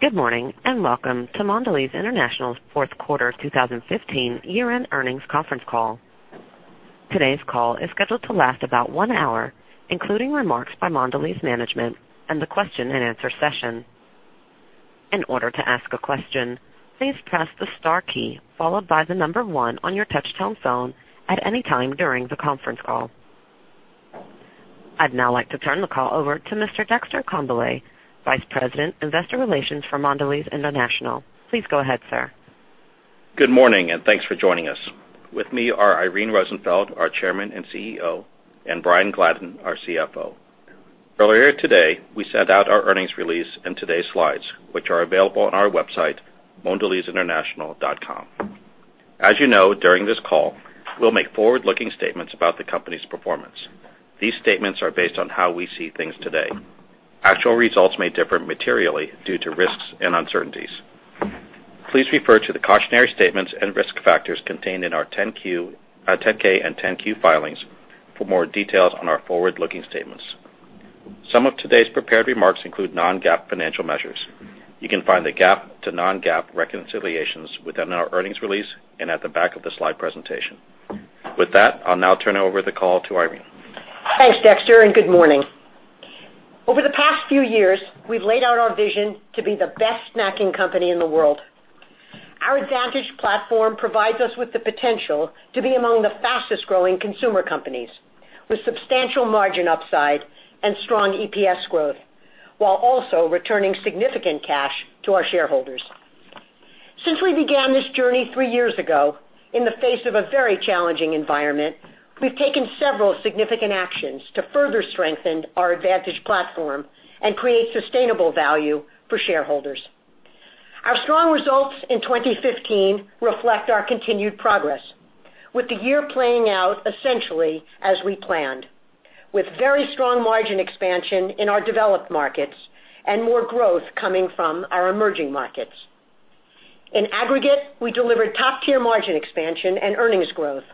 Good morning, and welcome to Mondelez International's fourth quarter 2015 year-end earnings conference call. Today's call is scheduled to last about one hour, including remarks by Mondelez management and the question and answer session. In order to ask a question, please press the star key followed by the number 1 on your touchtone phone at any time during the conference call. I'd now like to turn the call over to Mr. Dexter Congbalay, Vice President, Investor Relations for Mondelez International. Please go ahead, sir. Good morning, and thanks for joining us. With me are Irene Rosenfeld, our Chairman and CEO, and Brian Gladden, our CFO. Earlier today, we sent out our earnings release and today's slides, which are available on our website, mondelezinternational.com. As you know, during this call, we'll make forward-looking statements about the company's performance. These statements are based on how we see things today. Actual results may differ materially due to risks and uncertainties. Please refer to the cautionary statements and risk factors contained in our 10-K and 10-Q filings for more details on our forward-looking statements. Some of today's prepared remarks include non-GAAP financial measures. You can find the GAAP to non-GAAP reconciliations within our earnings release and at the back of the slide presentation. With that, I'll now turn over the call to Irene. Thanks, Dexter, and good morning. Over the past few years, we've laid out our vision to be the best snacking company in the world. Our advantage platform provides us with the potential to be among the fastest-growing consumer companies, with substantial margin upside and strong EPS growth, while also returning significant cash to our shareholders. Since we began this journey three years ago, in the face of a very challenging environment, we've taken several significant actions to further strengthen our advantage platform and create sustainable value for shareholders. Our strong results in 2015 reflect our continued progress, with the year playing out essentially as we planned, with very strong margin expansion in our developed markets and more growth coming from our emerging markets. In aggregate, we delivered top-tier margin expansion and earnings growth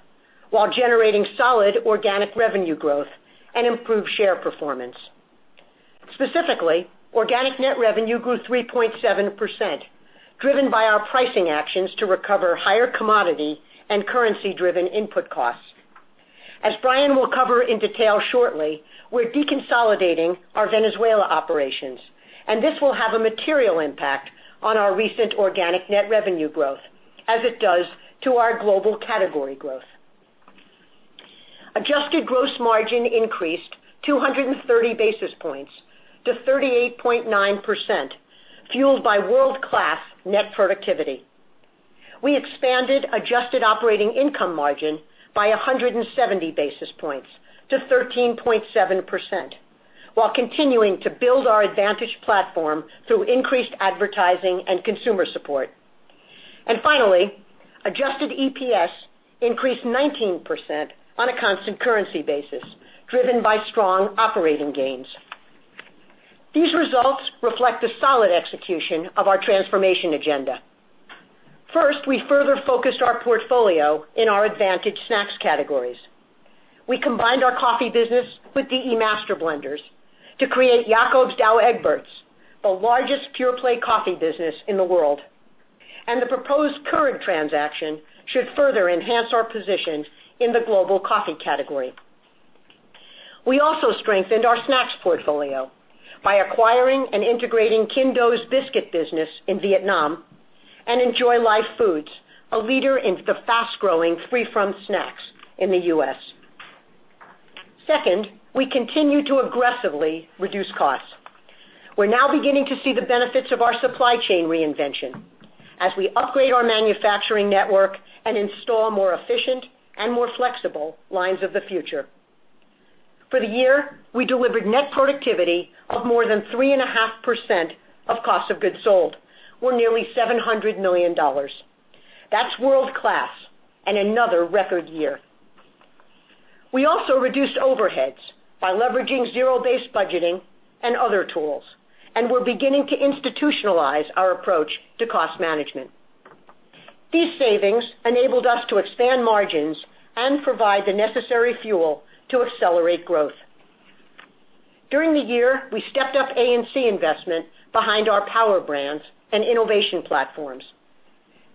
while generating solid organic revenue growth and improved share performance. Specifically, organic net revenue grew 3.7%, driven by our pricing actions to recover higher commodity and currency-driven input costs. As Brian will cover in detail shortly, we're deconsolidating our Venezuela operations, and this will have a material impact on our recent organic net revenue growth, as it does to our global category growth. Adjusted gross margin increased 230 basis points to 38.9%, fueled by world-class net productivity. We expanded adjusted operating income margin by 170 basis points to 13.7%, while continuing to build our advantage platform through increased advertising and consumer support. Finally, adjusted EPS increased 19% on a constant currency basis, driven by strong operating gains. These results reflect the solid execution of our transformation agenda. First, we further focused our portfolio in our advantage snacks categories. We combined our coffee business with the E. Master Blenders to create Jacobs Douwe Egberts, the largest pure-play coffee business in the world. The proposed current transaction should further enhance our position in the global coffee category. We also strengthened our snacks portfolio by acquiring and integrating Kinh Do's biscuit business in Vietnam and Enjoy Life Foods, a leader in the fast-growing free-from snacks in the U.S. Second, we continue to aggressively reduce costs. We're now beginning to see the benefits of our supply chain reinvention as we upgrade our manufacturing network and install more efficient and more flexible lines of the future. For the year, we delivered net productivity of more than 3.5% of cost of goods sold, or nearly $700 million. That's world-class and another record year. We also reduced overheads by leveraging zero-based budgeting and other tools, and we're beginning to institutionalize our approach to cost management. These savings enabled us to expand margins and provide the necessary fuel to accelerate growth. During the year, we stepped up A&C investment behind our Power Brands and innovation platforms.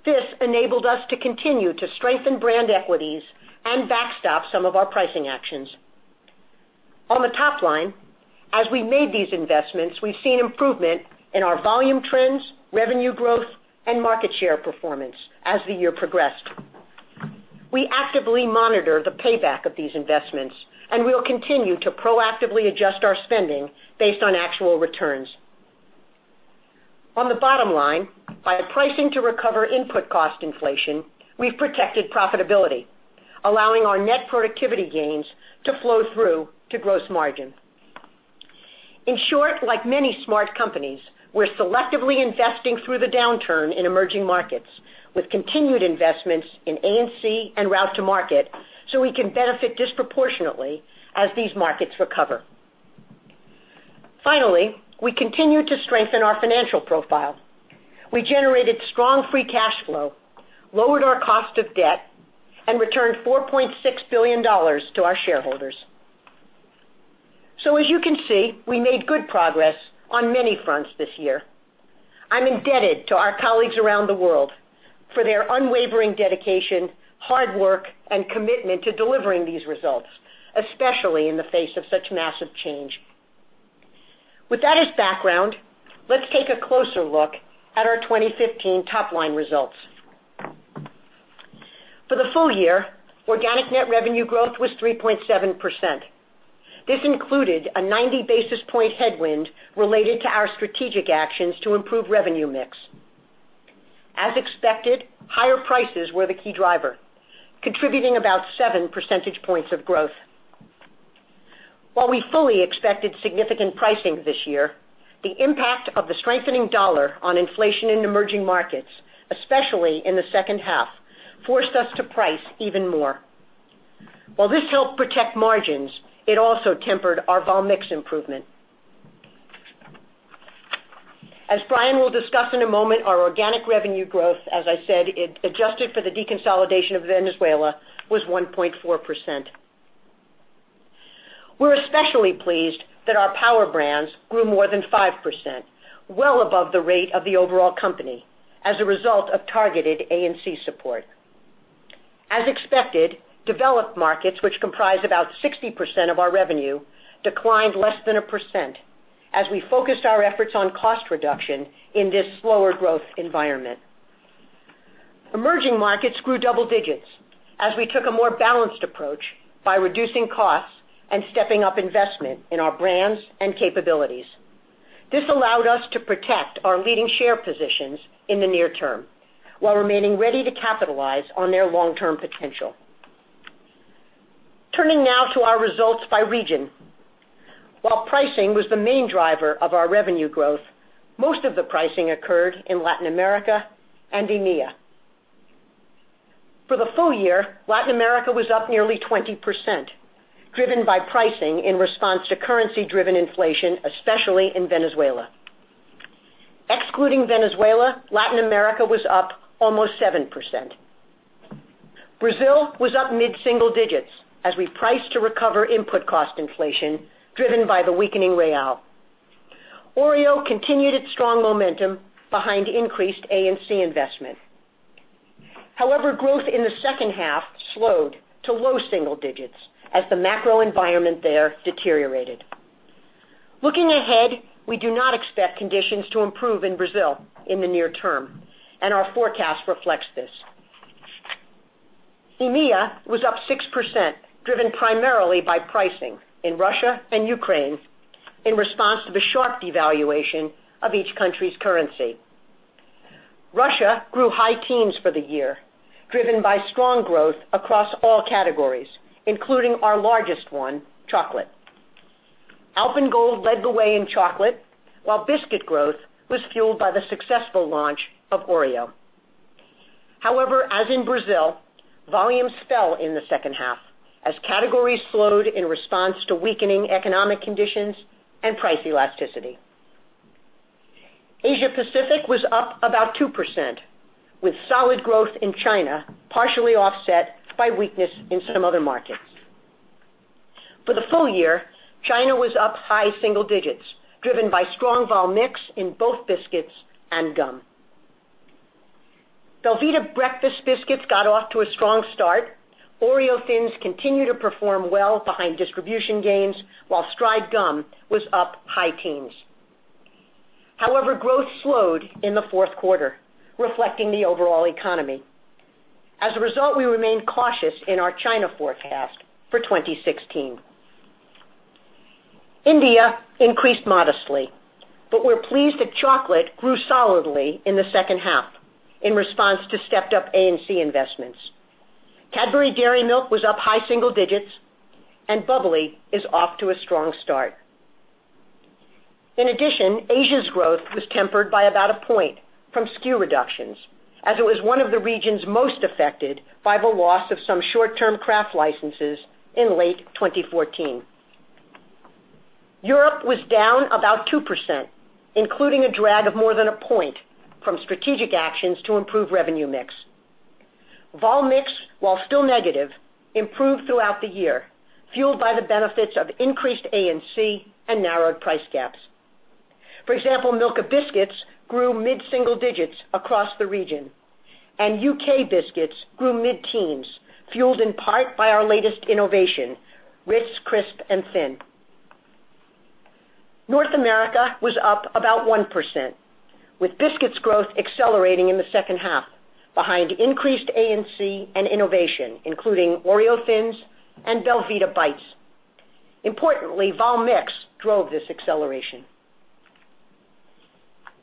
This enabled us to continue to strengthen brand equities and backstop some of our pricing actions. On the top line, as we made these investments, we've seen improvement in our volume trends, revenue growth, and market share performance as the year progressed. We actively monitor the payback of these investments, we will continue to proactively adjust our spending based on actual returns. On the bottom line, by pricing to recover input cost inflation, we've protected profitability, allowing our net productivity gains to flow through to gross margin. In short, like many smart companies, we're selectively investing through the downturn in emerging markets with continued investments in A&C and route to market so we can benefit disproportionately as these markets recover. Finally, we continue to strengthen our financial profile. We generated strong free cash flow, lowered our cost of debt, and returned $4.6 billion to our shareholders. As you can see, we made good progress on many fronts this year. I'm indebted to our colleagues around the world for their unwavering dedication, hard work, and commitment to delivering these results, especially in the face of such massive change. With that as background, let's take a closer look at our 2015 top-line results. For the full year, organic net revenue growth was 3.7%. This included a 90-basis point headwind related to our strategic actions to improve revenue mix. As expected, higher prices were the key driver, contributing about seven percentage points of growth. While we fully expected significant pricing this year, the impact of the strengthening dollar on inflation in emerging markets, especially in the second half, forced us to price even more. While this helped protect margins, it also tempered our vol mix improvement. As Brian Gladden will discuss in a moment, our organic revenue growth, as I said, adjusted for the deconsolidation of Venezuela, was 1.4%. We're especially pleased that our Power Brands grew more than 5%, well above the rate of the overall company as a result of targeted A&C support. As expected, developed markets, which comprise about 60% of our revenue, declined less than a percent as we focused our efforts on cost reduction in this slower-growth environment. Emerging markets grew double digits as we took a more balanced approach by reducing costs and stepping up investment in our brands and capabilities. This allowed us to protect our leading share positions in the near term while remaining ready to capitalize on their long-term potential. Turning now to our results by region. While pricing was the main driver of our revenue growth, most of the pricing occurred in Latin America and EMEA. For the full year, Latin America was up nearly 20%, driven by pricing in response to currency-driven inflation, especially in Venezuela. Excluding Venezuela, Latin America was up almost 7%. Brazil was up mid-single digits as we priced to recover input cost inflation driven by the weakening real. Oreo continued its strong momentum behind increased A&C investment. Growth in the second half slowed to low single digits as the macro environment there deteriorated. Looking ahead, we do not expect conditions to improve in Brazil in the near term, our forecast reflects this. EMEA was up 6%, driven primarily by pricing in Russia and Ukraine in response to the sharp devaluation of each country's currency. Russia grew high teens for the year, driven by strong growth across all categories, including our largest one, chocolate. Alpen Gold led the way in chocolate, while biscuit growth was fueled by the successful launch of Oreo. As in Brazil, volumes fell in the second half as categories slowed in response to weakening economic conditions and price elasticity. Asia Pacific was up about 2%, with solid growth in China partially offset by weakness in some other markets. For the full year, China was up high single digits, driven by strong vol mix in both biscuits and gum. belVita breakfast biscuits got off to a strong start. Oreo Thins continue to perform well behind distribution gains, while Stride gum was up high teens. Growth slowed in the fourth quarter, reflecting the overall economy. We remain cautious in our China forecast for 2016. India increased modestly, we're pleased that chocolate grew solidly in the second half in response to stepped-up A&C investments. Cadbury Dairy Milk was up high single digits, Bubbly is off to a strong start. Asia's growth was tempered by about a point from SKU reductions, as it was one of the regions most affected by the loss of some short-term Kraft licenses in late 2014. Europe was down about 2%, including a drag of more than a point from strategic actions to improve revenue mix. Vol mix, while still negative, improved throughout the year, fueled by the benefits of increased A&C and narrowed price gaps. For example, Milka biscuits grew mid-single digits across the region, U.K. biscuits grew mid-teens, fueled in part by our latest innovation, Ritz Crisp & Thins. North America was up about 1%, with biscuits growth accelerating in the second half behind increased A&C and innovation, including Oreo Thins and belVita Bites. Importantly, vol mix drove this acceleration.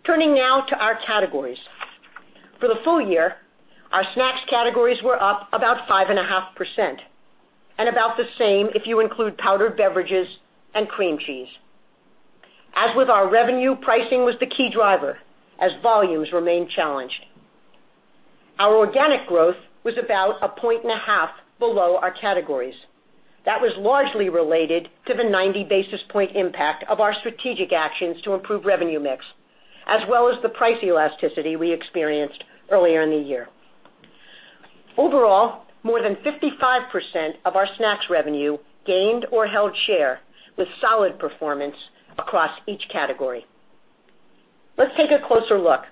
Turning now to our categories. For the full year, our snacks categories were up about 5.5% about the same if you include powdered beverages and cream cheese. As with our revenue, pricing was the key driver as volumes remained challenged. Our organic growth was about a point and a half below our categories. That was largely related to the 90-basis point impact of our strategic actions to improve revenue mix, as well as the price elasticity we experienced earlier in the year. Overall, more than 55% of our snacks revenue gained or held share with solid performance across each category. Let's take a closer look.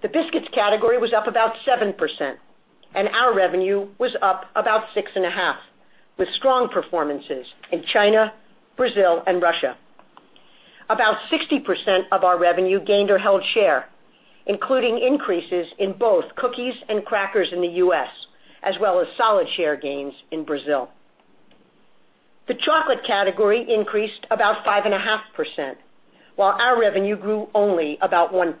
The biscuits category was up about 7%, and our revenue was up about 6.5%, with strong performances in China, Brazil, and Russia. About 60% of our revenue gained or held share, including increases in both cookies and crackers in the U.S., as well as solid share gains in Brazil. The chocolate category increased about 5.5%, while our revenue grew only about 1%.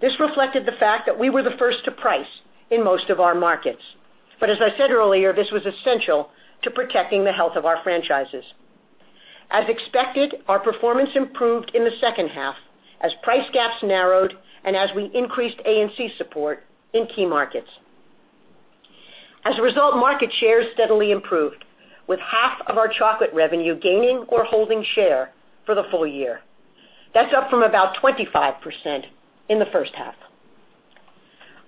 This reflected the fact that we were the first to price in most of our markets. As I said earlier, this was essential to protecting the health of our franchises. As expected, our performance improved in the second half as price gaps narrowed and as we increased A&C support in key markets. As a result, market share steadily improved, with 1/2 of our chocolate revenue gaining or holding share for the full year. That's up from about 25% in the first half.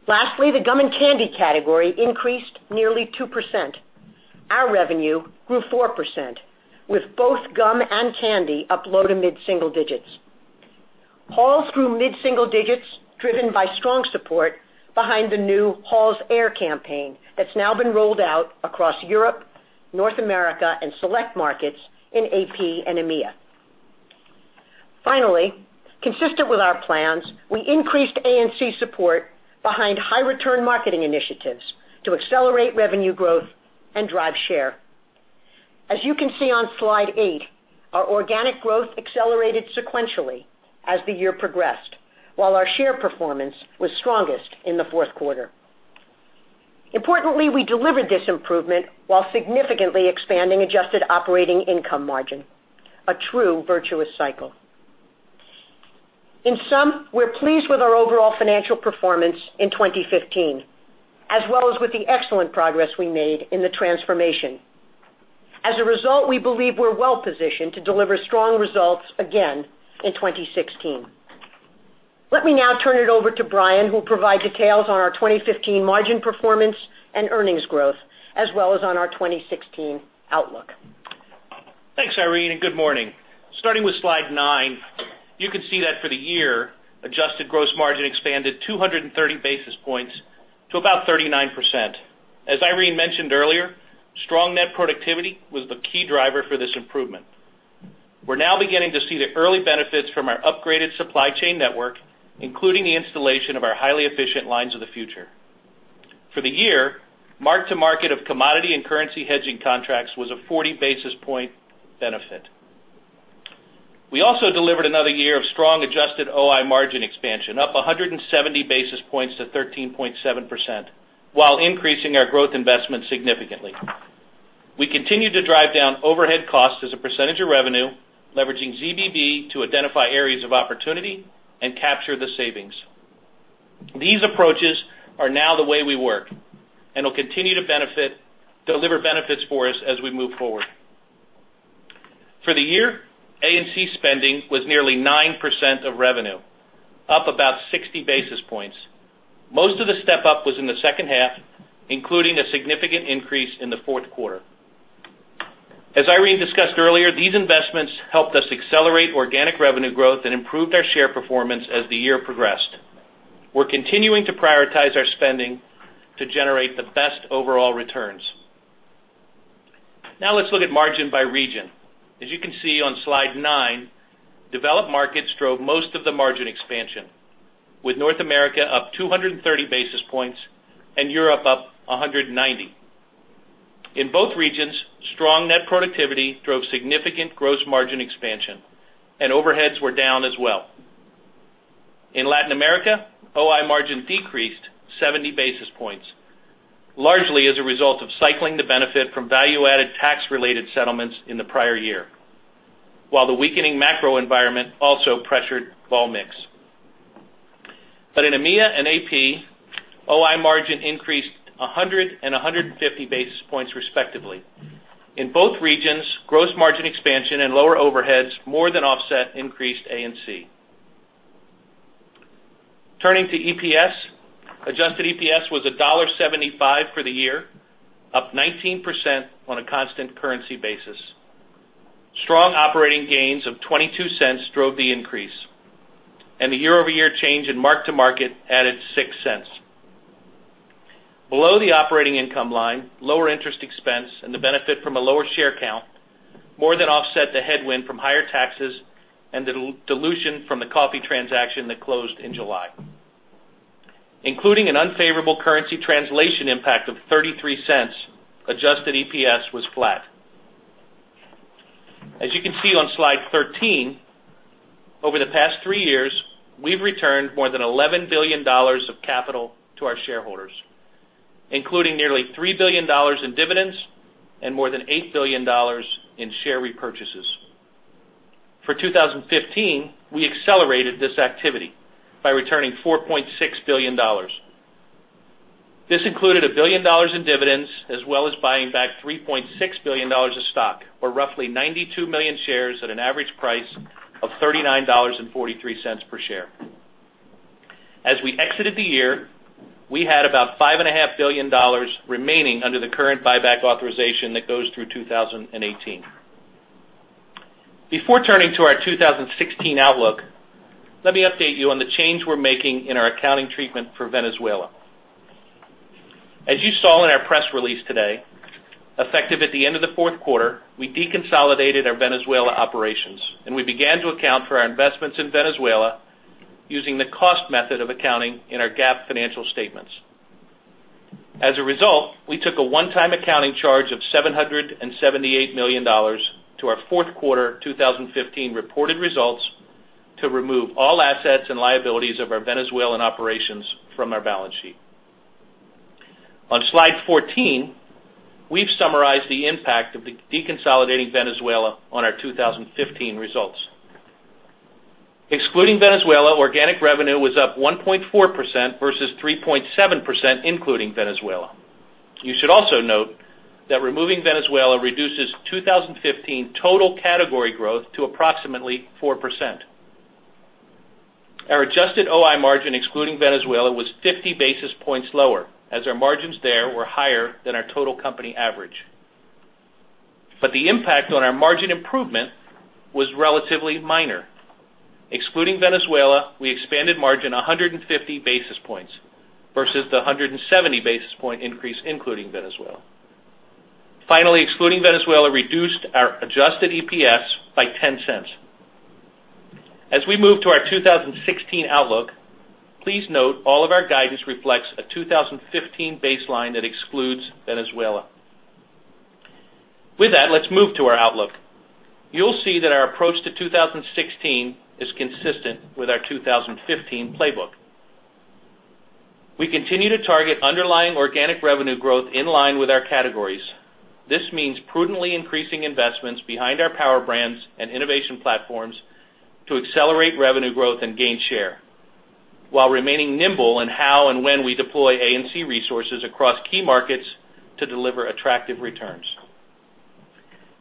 Lastly, the gum and candy category increased nearly 2%. Our revenue grew 4%, with both gum and candy up low to mid-single digits. Halls grew mid-single digits, driven by strong support behind the new Halls Air campaign that's now been rolled out across Europe, North America, and select markets in AP and EMEA. Finally, consistent with our plans, we increased A&C support behind high return marketing initiatives to accelerate revenue growth and drive share. As you can see on slide eight, our organic growth accelerated sequentially as the year progressed, while our share performance was strongest in the fourth quarter. Importantly, we delivered this improvement while significantly expanding adjusted operating income margin, a true virtuous cycle. In sum, we're pleased with our overall financial performance in 2015, as well as with the excellent progress we made in the transformation. As a result, we believe we're well-positioned to deliver strong results again in 2016. Let me now turn it over to Brian, who'll provide details on our 2015 margin performance and earnings growth, as well as on our 2016 outlook. Thanks, Irene. Good morning. Starting with slide nine, you can see that for the year, adjusted gross margin expanded 230 basis points to about 39%. As Irene mentioned earlier, strong net productivity was the key driver for this improvement. We're now beginning to see the early benefits from our upgraded supply chain network, including the installation of our highly efficient lines of the future. For the year, mark-to-market of commodity and currency hedging contracts was a 40-basis-point benefit. We also delivered another year of strong adjusted OI margin expansion, up 170 basis points to 13.7%, while increasing our growth investment significantly. We continued to drive down overhead costs as a percentage of revenue, leveraging ZBB to identify areas of opportunity and capture the savings. These approaches are now the way we work and will continue to deliver benefits for us as we move forward. For the year, A&C spending was nearly 9% of revenue, up about 60 basis points. Most of the step-up was in the second half, including a significant increase in the fourth quarter. As Irene discussed earlier, these investments helped us accelerate organic revenue growth and improved our share performance as the year progressed. We're continuing to prioritize our spending to generate the best overall returns. Let's look at margin by region. As you can see on slide nine, developed markets drove most of the margin expansion, with North America up 230 basis points and Europe up 190. In both regions, strong net productivity drove significant gross margin expansion, and overheads were down as well. In Latin America, OI margin decreased 70 basis points, largely as a result of cycling the benefit from value-added tax-related settlements in the prior year, while the weakening macro environment also pressured vol mix. In EMEA and AP, OI margin increased 100 and 150 basis points respectively. In both regions, gross margin expansion and lower overheads more than offset increased A&C. Turning to EPS, adjusted EPS was $1.75 for the year, up 19% on a constant currency basis. Strong operating gains of $0.22 drove the increase, and the year-over-year change in mark-to-market added $0.06. Below the operating income line, lower interest expense and the benefit from a lower share count more than offset the headwind from higher taxes and the dilution from the coffee transaction that closed in July. Including an unfavorable currency translation impact of $0.33, adjusted EPS was flat. As you can see on slide 13, over the past three years, we've returned more than $11 billion of capital to our shareholders, including nearly $3 billion in dividends and more than $8 billion in share repurchases. For 2015, we accelerated this activity by returning $4.6 billion. This included $1 billion in dividends, as well as buying back $3.6 billion of stock, or roughly 92 million shares at an average price of $39.43 per share. As we exited the year, we had about $5.5 billion remaining under the current buyback authorization that goes through 2018. Before turning to our 2016 outlook, let me update you on the change we're making in our accounting treatment for Venezuela. As you saw in our press release today, effective at the end of the fourth quarter, we deconsolidated our Venezuela operations, and we began to account for our investments in Venezuela using the cost method of accounting in our GAAP financial statements. As a result, we took a one-time accounting charge of $778 million to our fourth quarter 2015 reported results to remove all assets and liabilities of our Venezuelan operations from our balance sheet. On slide 14, we've summarized the impact of deconsolidating Venezuela on our 2015 results. Excluding Venezuela, organic revenue was up 1.4% versus 3.7% including Venezuela. You should also note that removing Venezuela reduces 2015 total category growth to approximately 4%. Our adjusted OI margin excluding Venezuela was 50 basis points lower, as our margins there were higher than our total company average. The impact on our margin improvement was relatively minor. Excluding Venezuela, we expanded margin 150 basis points versus the 170 basis point increase including Venezuela. Finally, excluding Venezuela reduced our adjusted EPS by $0.10. As we move to our 2016 outlook, please note all of our guidance reflects a 2015 baseline that excludes Venezuela. With that, let's move to our outlook. You'll see that our approach to 2016 is consistent with our 2015 playbook. We continue to target underlying organic revenue growth in line with our categories. This means prudently increasing investments behind our Power Brands and innovation platforms to accelerate revenue growth and gain share, while remaining nimble in how and when we deploy A&C resources across key markets to deliver attractive returns.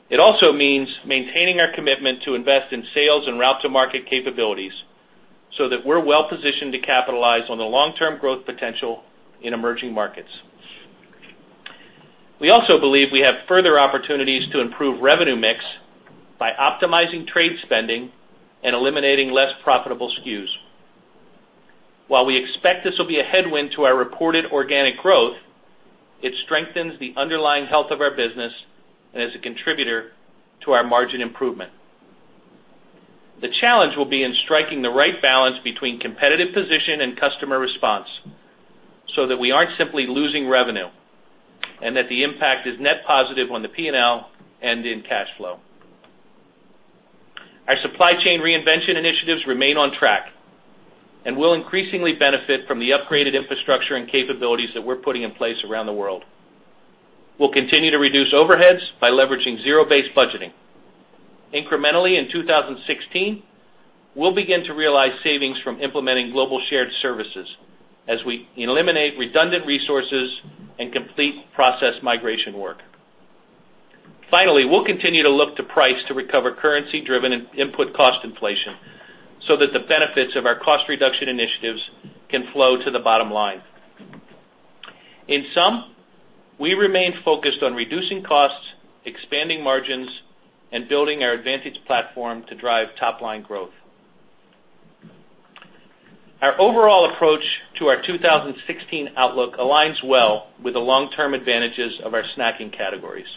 It also means maintaining our commitment to invest in sales and route to market capabilities so that we're well-positioned to capitalize on the long-term growth potential in emerging markets. We also believe we have further opportunities to improve revenue mix by optimizing trade spending and eliminating less profitable SKUs. While we expect this will be a headwind to our reported organic growth, it strengthens the underlying health of our business and is a contributor to our margin improvement. The challenge will be in striking the right balance between competitive position and customer response so that we aren't simply losing revenue, and that the impact is net positive on the P&L and in cash flow. Our supply chain reinvention initiatives remain on track and will increasingly benefit from the upgraded infrastructure and capabilities that we're putting in place around the world. We'll continue to reduce overheads by leveraging zero-based budgeting. Incrementally, in 2016, we'll begin to realize savings from implementing global shared services as we eliminate redundant resources and complete process migration work. Finally, we'll continue to look to price to recover currency-driven input cost inflation so that the benefits of our cost reduction initiatives can flow to the bottom line. In sum, we remain focused on reducing costs, expanding margins, and building our advantage platform to drive top-line growth. Our overall approach to our 2016 outlook aligns well with the long-term advantages of our snacking categories.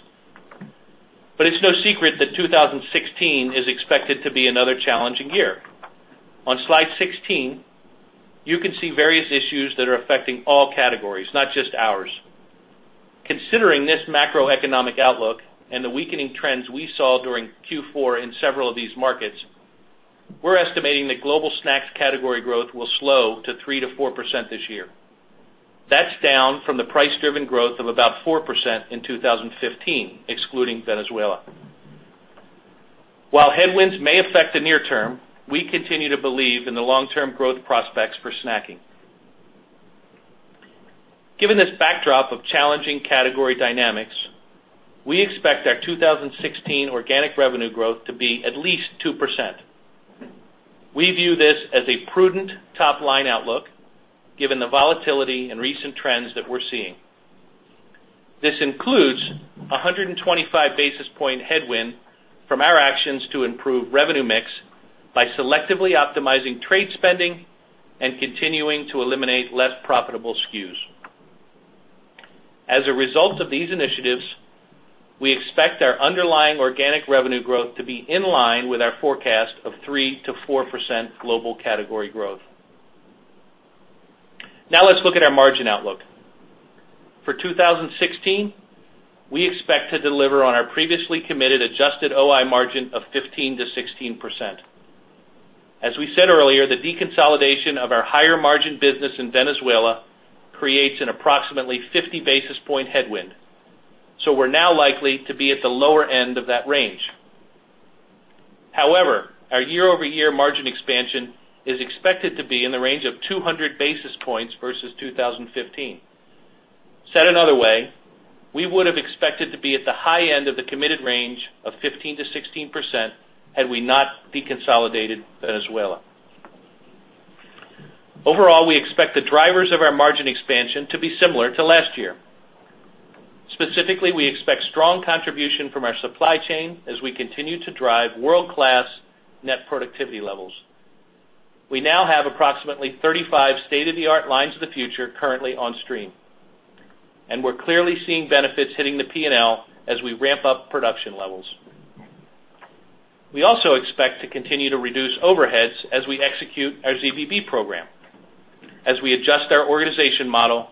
But it's no secret that 2016 is expected to be another challenging year. On slide 16, you can see various issues that are affecting all categories, not just ours. Considering this macroeconomic outlook and the weakening trends we saw during Q4 in several of these markets, we're estimating that global snacks category growth will slow to 3%-4% this year. That's down from the price-driven growth of about 4% in 2015, excluding Venezuela. While headwinds may affect the near term, we continue to believe in the long-term growth prospects for snacking. Given this backdrop of challenging category dynamics, we expect our 2016 organic revenue growth to be at least 2%. We view this as a prudent top-line outlook given the volatility and recent trends that we're seeing. This includes 125 basis point headwind from our actions to improve revenue mix by selectively optimizing trade spending and continuing to eliminate less profitable SKUs. As a result of these initiatives, we expect our underlying organic revenue growth to be in line with our forecast of 3%-4% global category growth. Now let's look at our margin outlook. For 2016, we expect to deliver on our previously committed adjusted OI margin of 15%-16%. We said earlier, the deconsolidation of our higher-margin business in Venezuela creates an approximately 50 basis point headwind, we're now likely to be at the lower end of that range. However, our year-over-year margin expansion is expected to be in the range of 200 basis points versus 2015. Said another way, we would have expected to be at the high end of the committed range of 15%-16% had we not deconsolidated Venezuela. Overall, we expect the drivers of our margin expansion to be similar to last year. Specifically, we expect strong contribution from our supply chain as we continue to drive world-class net productivity levels. We now have approximately 35 state-of-the-art lines of the future currently on stream, and we're clearly seeing benefits hitting the P&L as we ramp up production levels. We also expect to continue to reduce overheads as we execute our ZBB program, as we adjust our organization model,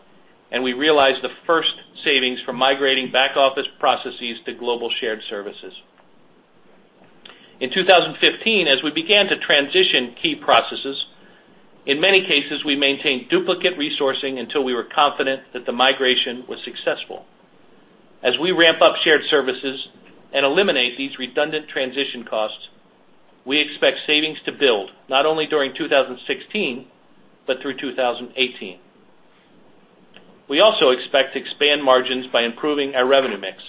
and we realize the first savings from migrating back-office processes to global shared services. In 2015, as we began to transition key processes, in many cases, we maintained duplicate resourcing until we were confident that the migration was successful. As we ramp up shared services and eliminate these redundant transition costs, we expect savings to build, not only during 2016, but through 2018. We also expect to expand margins by improving our revenue mix.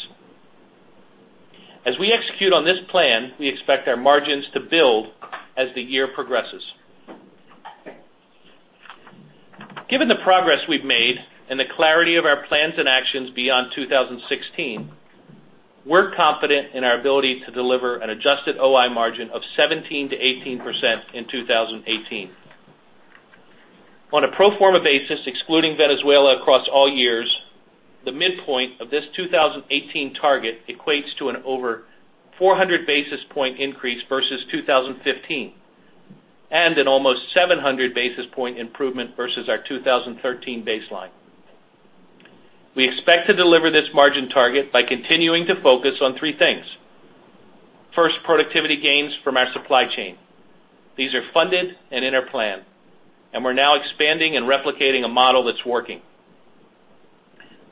As we execute on this plan, we expect our margins to build as the year progresses. Given the progress we've made and the clarity of our plans and actions beyond 2016, we're confident in our ability to deliver an adjusted OI margin of 17%-18% in 2018. On a pro forma basis, excluding Venezuela across all years, the midpoint of this 2018 target equates to an over 400 basis point increase versus 2015, and an almost 700 basis point improvement versus our 2013 baseline. We expect to deliver this margin target by continuing to focus on three things. First, productivity gains from our supply chain. These are funded and in our plan, and we're now expanding and replicating a model that's working.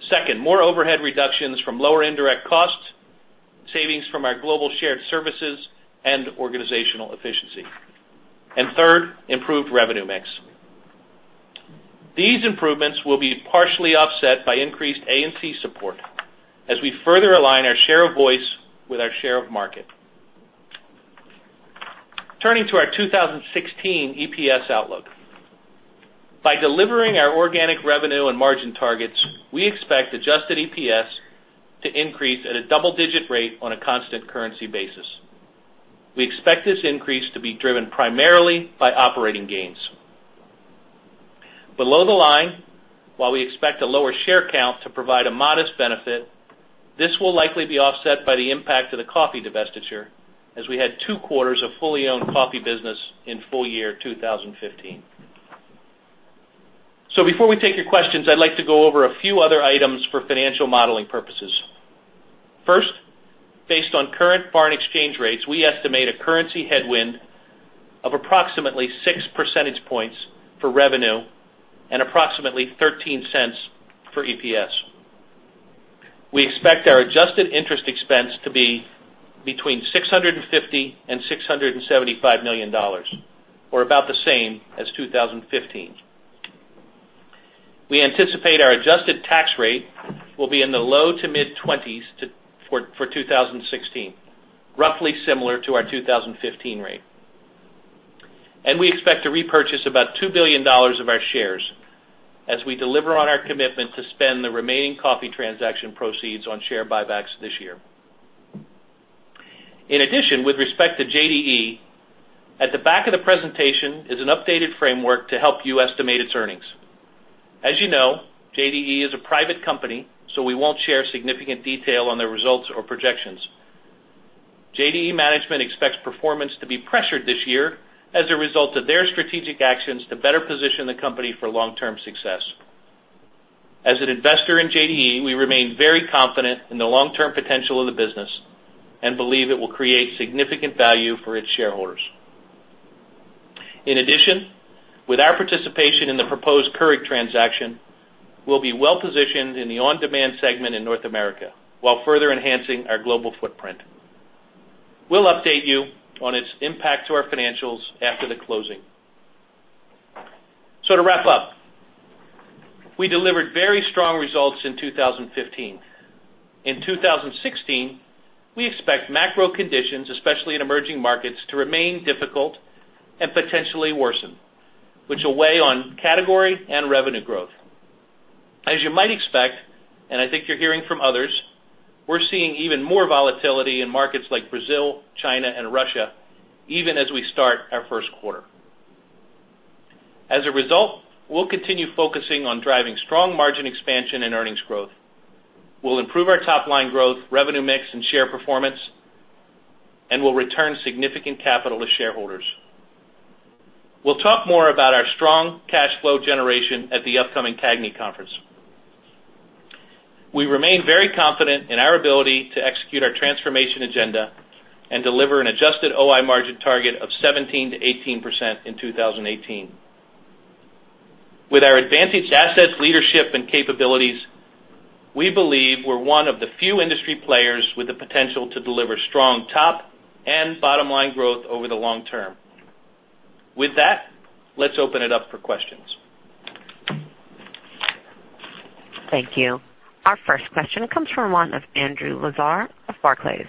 Second, more overhead reductions from lower indirect costs, savings from our global shared services, and organizational efficiency. Third, improved revenue mix. These improvements will be partially offset by increased A&C support as we further align our share of voice with our share of market. Turning to our 2016 EPS outlook. By delivering our organic revenue and margin targets, we expect adjusted EPS to increase at a double-digit rate on a constant currency basis. We expect this increase to be driven primarily by operating gains. Below the line, while we expect a lower share count to provide a modest benefit, this will likely be offset by the impact of the coffee divestiture as we had two quarters of fully owned coffee business in full year 2015. Before we take your questions, I'd like to go over a few other items for financial modeling purposes. First, based on current foreign exchange rates, we estimate a currency headwind of approximately six percentage points for revenue and approximately $0.13 for EPS. We expect our adjusted interest expense to be between $650 million and $675 million, or about the same as 2015. We anticipate our adjusted tax rate will be in the low to mid-20s for 2016, roughly similar to our 2015 rate. We expect to repurchase about $2 billion of our shares as we deliver on our commitment to spend the remaining coffee transaction proceeds on share buybacks this year. In addition, with respect to JDE, at the back of the presentation is an updated framework to help you estimate its earnings. As you know, JDE is a private company, so we won't share significant detail on their results or projections. JDE management expects performance to be pressured this year as a result of their strategic actions to better position the company for long-term success. As an investor in JDE, we remain very confident in the long-term potential of the business and believe it will create significant value for its shareholders. In addition, with our participation in the proposed Keurig transaction, we'll be well-positioned in the on-demand segment in North America while further enhancing our global footprint. We'll update you on its impact to our financials after the closing. To wrap up, we delivered very strong results in 2015. In 2016, we expect macro conditions, especially in emerging markets, to remain difficult and potentially worsen, which will weigh on category and revenue growth. As you might expect, and I think you're hearing from others, we're seeing even more volatility in markets like Brazil, China, and Russia, even as we start our first quarter. As a result, we'll continue focusing on driving strong margin expansion and earnings growth. We'll improve our top-line growth, revenue mix, and share performance, and we'll return significant capital to shareholders. We'll talk more about our strong cash flow generation at the upcoming CAGNY conference. We remain very confident in our ability to execute our transformation agenda and deliver an adjusted OI margin target of 17%-18% in 2018. With our advantaged assets, leadership, and capabilities, we believe we're one of the few industry players with the potential to deliver strong top and bottom-line growth over the long term. With that, let's open it up for questions. Thank you. Our first question comes from one of Andrew Lazar of Barclays.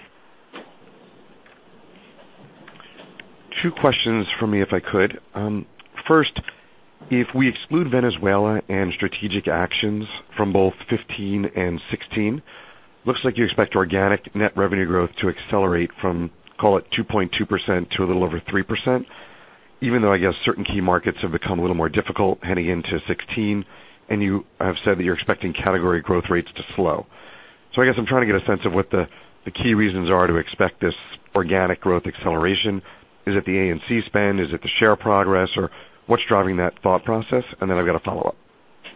Two questions from me, if I could. First, if we exclude Venezuela and strategic actions from both 2015 and 2016, looks like you expect organic net revenue growth to accelerate from, call it, 2.2% to a little over 3%, even though, I guess, certain key markets have become a little more difficult heading into 2016, and you have said that you're expecting category growth rates to slow. I guess I'm trying to get a sense of what the key reasons are to expect this organic growth acceleration. Is it the A&C spend? Is it the share progress, or what's driving that thought process? I've got a follow-up.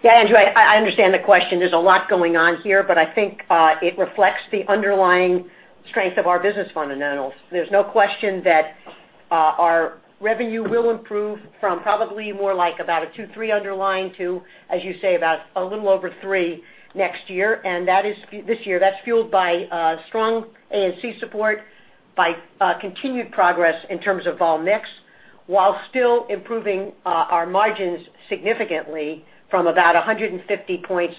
Yeah, Andrew, I understand the question. There's a lot going on here, but I think it reflects the underlying strength of our business fundamentals. There's no question that our revenue will improve from probably more like about a 2.3 underlying to, as you say, about a little over 3 next year. That is this year. That's fueled by strong A&C support, by continued progress in terms of volume/mix, while still improving our margins significantly from about 150 points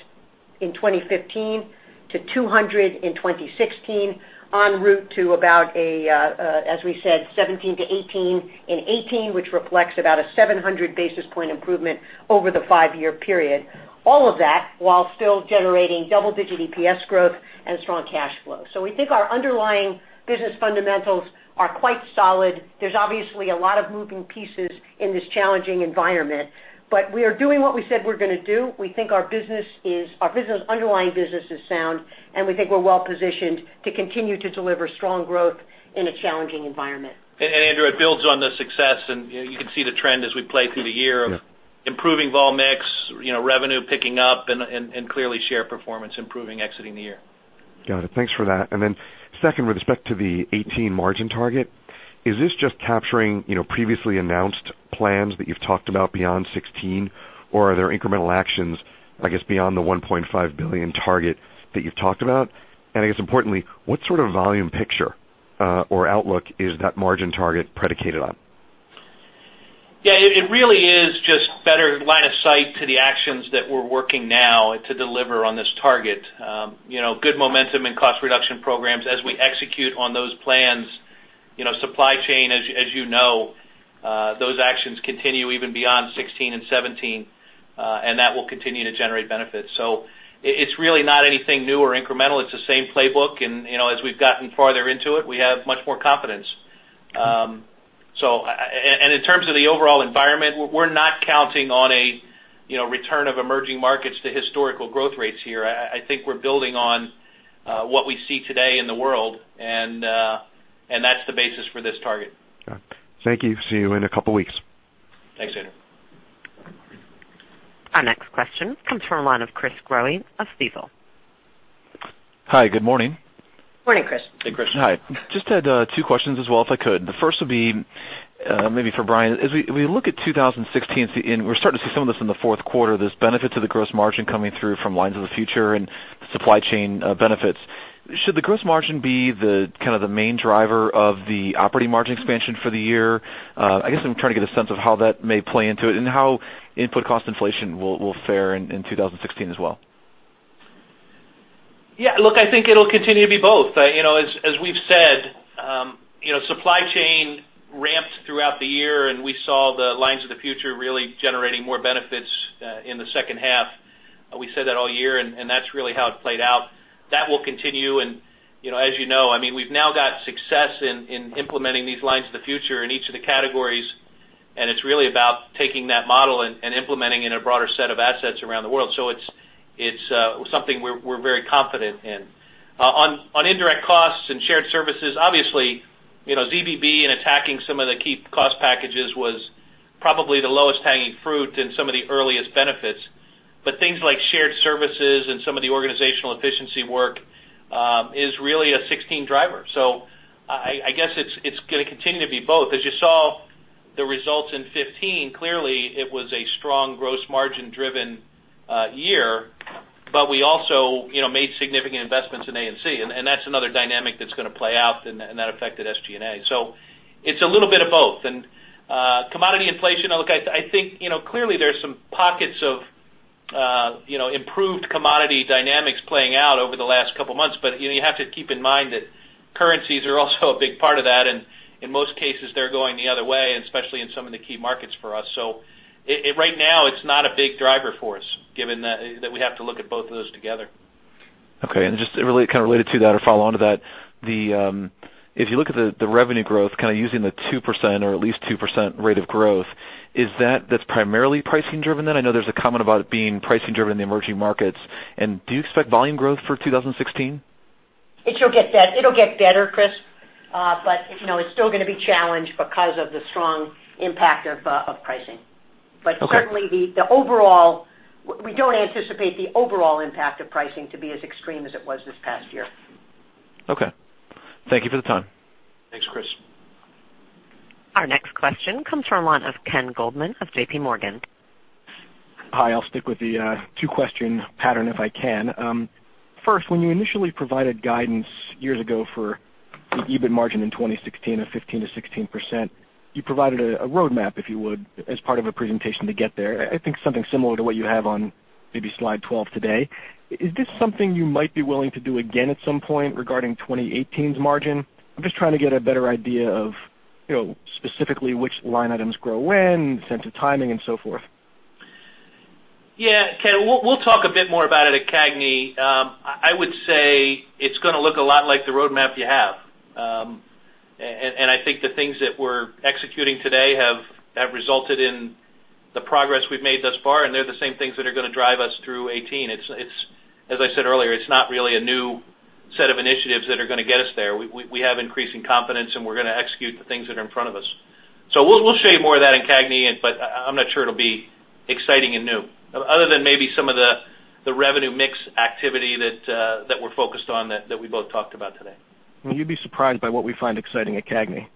in 2015 to 200 in 2016, on route to about a, as we said, 17% to 18% in 2018, which reflects about a 700 basis point improvement over the five-year period. All of that while still generating double-digit EPS growth and strong cash flow. We think our underlying business fundamentals are quite solid. There's obviously a lot of moving pieces in this challenging environment, but we are doing what we said we're going to do. We think our underlying business is sound, we think we're well-positioned to continue to deliver strong growth in a challenging environment. Andrew, it builds on the success, and you can see the trend as we play through the year. Yeah of improving volume/mix, revenue picking up, and clearly share performance improving exiting the year. Got it. Thanks for that. Second, with respect to the 2018 margin target, is this just capturing previously announced plans that you've talked about beyond 2016? Or are there incremental actions, I guess, beyond the $1.5 billion target that you've talked about? I guess importantly, what sort of volume picture, or outlook is that margin target predicated on? It really is just better line of sight to the actions that we're working now to deliver on this target. Good momentum and cost reduction programs as we execute on those plans. Supply chain, as you know, those actions continue even beyond 2016 and 2017, and that will continue to generate benefits. It's really not anything new or incremental. It's the same playbook. As we've gotten farther into it, we have much more confidence. In terms of the overall environment, we're not counting on a return of emerging markets to historical growth rates here. I think we're building on what we see today in the world, and that's the basis for this target. Got it. Thank you. See you in a couple of weeks. Thanks, Andrew. Our next question comes from the line of Chris Growe of Stifel. Hi, good morning. Morning, Chris. Hey, Chris. Hi. Just had two questions as well, if I could. The first would be maybe for Brian. As we look at 2016, we're starting to see some of this in the fourth quarter, this benefit to the gross margin coming through from lines of the future and supply chain benefits. Should the gross margin be the main driver of the operating margin expansion for the year? I guess I'm trying to get a sense of how that may play into it and how input cost inflation will fare in 2016 as well. Yeah, look, I think it'll continue to be both. As we've said, supply chain ramped throughout the year, and we saw the lines of the future really generating more benefits in the second half. We said that all year, and that's really how it played out. That will continue, and as you know, we've now got success in implementing these lines of the future in each of the categories, and it's really about taking that model and implementing in a broader set of assets around the world. It's something we're very confident in. On indirect costs and global shared services, obviously, ZBB and attacking some of the key cost packages was probably the lowest hanging fruit and some of the earliest benefits. Things like global shared services and some of the organizational efficiency work is really a 2016 driver. I guess it's going to continue to be both. As you saw the results in 2015, clearly it was a strong gross margin driven year, we also made significant investments in A&C, and that's another dynamic that's going to play out and that affected SG&A. It's a little bit of both. Commodity inflation, look, I think clearly there's some pockets of improved commodity dynamics playing out over the last couple of months, you have to keep in mind that currencies are also a big part of that, and in most cases, they're going the other way, and especially in some of the key markets for us. Right now it's not a big driver for us given that we have to look at both of those together. Okay. Just kind of related to that or follow on to that, if you look at the revenue growth, kind of using the 2% or at least 2% rate of growth, is that primarily pricing driven then? I know there's a comment about it being pricing driven in the emerging markets. Do you expect volume growth for 2016? It'll get better, Chris. It's still going to be challenged because of the strong impact of pricing. Okay. Certainly, we don't anticipate the overall impact of pricing to be as extreme as it was this past year. Okay. Thank you for the time. Thanks, Chris. Our next question comes from Ken Goldman of J.P. Morgan. Hi, I'll stick with the two-question pattern if I can. First, when you initially provided guidance years ago for the EBIT margin in 2016 of 15%-16%, you provided a roadmap, if you would, as part of a presentation to get there. I think something similar to what you have on maybe slide 12 today. Is this something you might be willing to do again at some point regarding 2018's margin? I'm just trying to get a better idea of specifically which line items grow when, sense of timing, and so forth. Yeah, Ken, we'll talk a bit more about it at CAGNY. I think the things that we're executing today have resulted in the progress we've made thus far, and they're the same things that are going to drive us through 2018. As I said earlier, it's not really a new set of initiatives that are going to get us there. We have increasing confidence, and we're going to execute the things that are in front of us. We'll share more of that in CAGNY, but I'm not sure it'll be exciting and new, other than maybe some of the revenue mix activity that we're focused on that we both talked about today. Well, you'd be surprised by what we find exciting at CAGNY.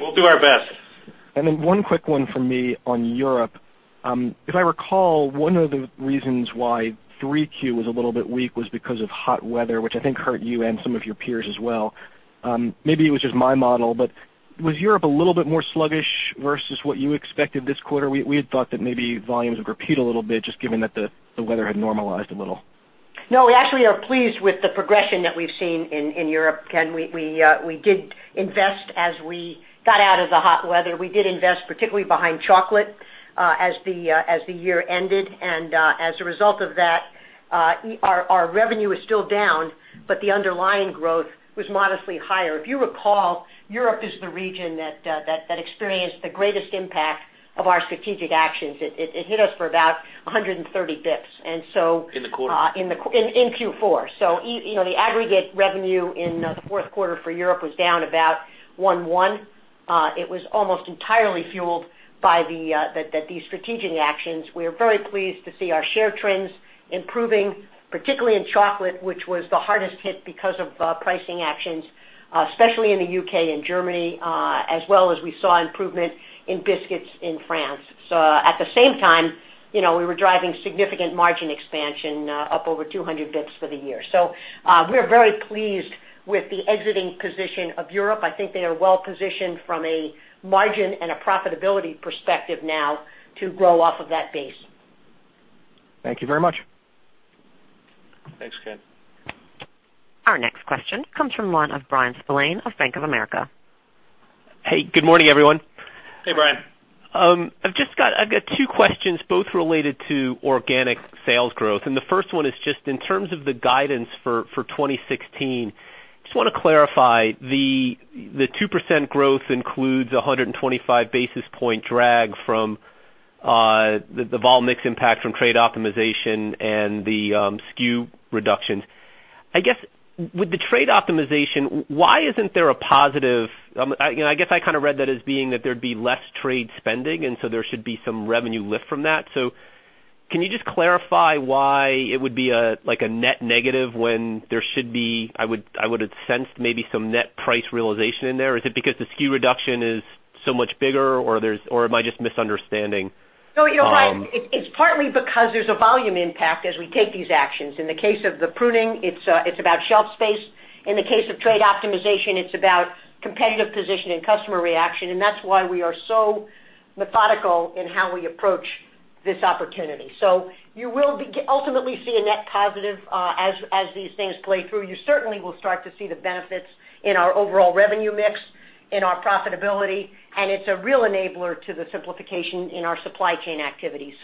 We'll do our best. One quick one from me on Europe. If I recall, one of the reasons why 3Q was a little bit weak was because of hot weather, which I think hurt you and some of your peers as well. Maybe it was just my model, but was Europe a little bit more sluggish versus what you expected this quarter? We had thought that maybe volumes would repeat a little bit, just given that the weather had normalized a little. No, we actually are pleased with the progression that we've seen in Europe. Ken, we did invest as we got out of the hot weather. We did invest particularly behind chocolate as the year ended, and as a result of that, our revenue is still down, but the underlying growth was modestly higher. If you recall, Europe is the region that experienced the greatest impact of our strategic actions. It hit us for about 130 basis points. In the quarter? The aggregate revenue in the fourth quarter for Europe was down about 1.1%. It was almost entirely fueled by these strategic actions. We're very pleased to see our share trends improving, particularly in chocolate, which was the hardest hit because of pricing actions, especially in the U.K. and Germany, as well as we saw improvement in biscuits in France. At the same time, we were driving significant margin expansion up over 200 basis points for the year. We're very pleased with the exiting position of Europe. I think they are well-positioned from a margin and a profitability perspective now to grow off of that base. Thank you very much. Thanks, Ken. Our next question comes from the line of Bryan Spillane of Bank of America. Hey, good morning, everyone. Hey, Bryan. I've got two questions, both related to organic sales growth. The first one is just in terms of the guidance for 2016. Just want to clarify, the 2% growth includes 125 basis point drag from the vol mix impact from trade optimization and the SKU reductions. I guess, with the trade optimization, I guess I kind of read that as being that there'd be less trade spending, and so there should be some revenue lift from that. Can you just clarify why it would be a net negative when there should be, I would have sensed maybe some net price realization in there. Is it because the SKU reduction is so much bigger, or am I just misunderstanding? No, Bryan, it's partly because there's a volume impact as we take these actions. In the case of the pruning, it's about shelf space. In the case of trade optimization, it's about competitive position and customer reaction, and that's why we are so methodical in how we approach this opportunity. You will ultimately see a net positive as these things play through. You certainly will start to see the benefits in our overall revenue mix, in our profitability, and it's a real enabler to the simplification in our supply chain activity.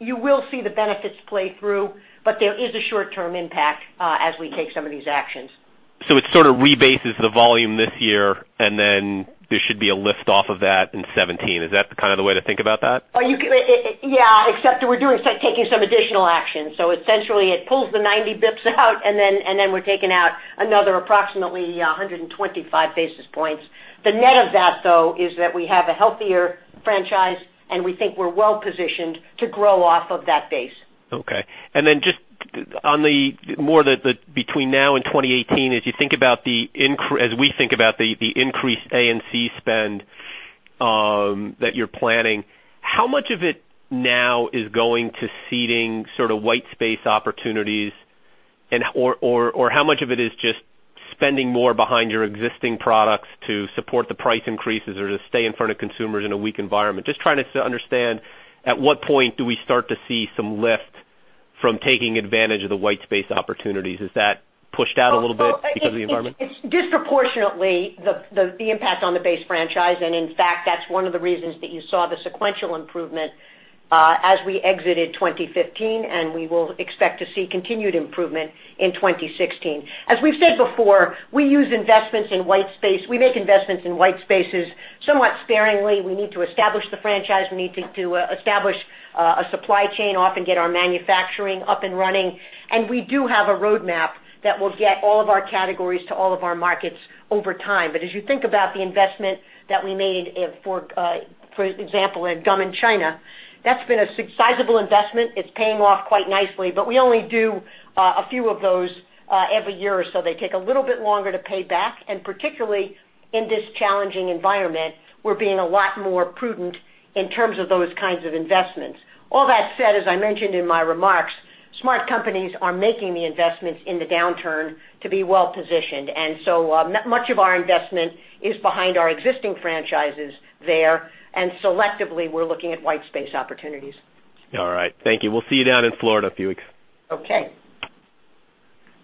You will see the benefits play through, but there is a short-term impact as we take some of these actions. It sort of rebases the volume this year, then there should be a lift off of that in 2017. Is that the way to think about that? Yeah, except that we're taking some additional action. Essentially, it pulls the 90 basis points out, and then we're taking out another approximately 125 basis points. The net of that, though, is that we have a healthier franchise, and we think we're well-positioned to grow off of that base. Okay. Then just on the more between now and 2018, as we think about the increased A&C spend that you're planning, how much of it now is going to seeding sort of white space opportunities? How much of it is just spending more behind your existing products to support the price increases or to stay in front of consumers in a weak environment? Just trying to understand at what point do we start to see some lift from taking advantage of the white space opportunities. Is that pushed out a little bit because of the environment? It's disproportionately the impact on the base franchise. In fact, that's one of the reasons that you saw the sequential improvement as we exited 2015. We will expect to see continued improvement in 2016. As we've said before, we make investments in white spaces somewhat sparingly. We need to establish the franchise, we need to establish a supply chain, often get our manufacturing up and running, and we do have a roadmap that will get all of our categories to all of our markets over time. As you think about the investment that we made, for example, in gum in China, that's been a sizable investment. It's paying off quite nicely, but we only do a few of those every year or so. They take a little bit longer to pay back. Particularly in this challenging environment, we're being a lot more prudent in terms of those kinds of investments. All that said, as I mentioned in my remarks, smart companies are making the investments in the downturn to be well-positioned. So much of our investment is behind our existing franchises there. Selectively, we're looking at white space opportunities. All right. Thank you. We'll see you down in Florida a few weeks. Okay.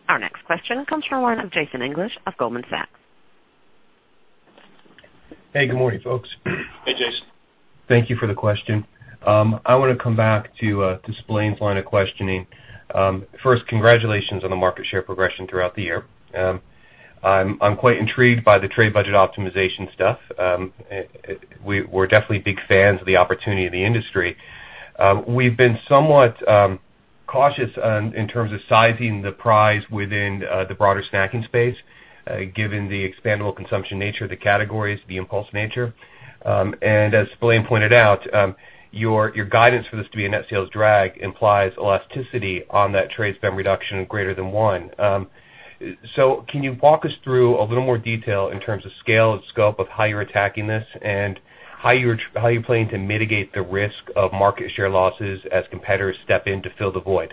Our next question comes from the line of Jason English of Goldman Sachs. Hey, good morning, folks. Hey, Jason. Thank you for the question. I want to come back to Bryan's line of questioning. First, congratulations on the market share progression throughout the year. I'm quite intrigued by the trade budget optimization stuff. We're definitely big fans of the opportunity in the industry. We've been somewhat cautious in terms of sizing the prize within the broader snacking space, given the expandable consumption nature of the categories, the impulse nature. As Bryan pointed out, your guidance for this to be a net sales drag implies elasticity on that trade spend reduction of greater than one. Can you walk us through a little more detail in terms of scale and scope of how you're attacking this and how you're planning to mitigate the risk of market share losses as competitors step in to fill the void?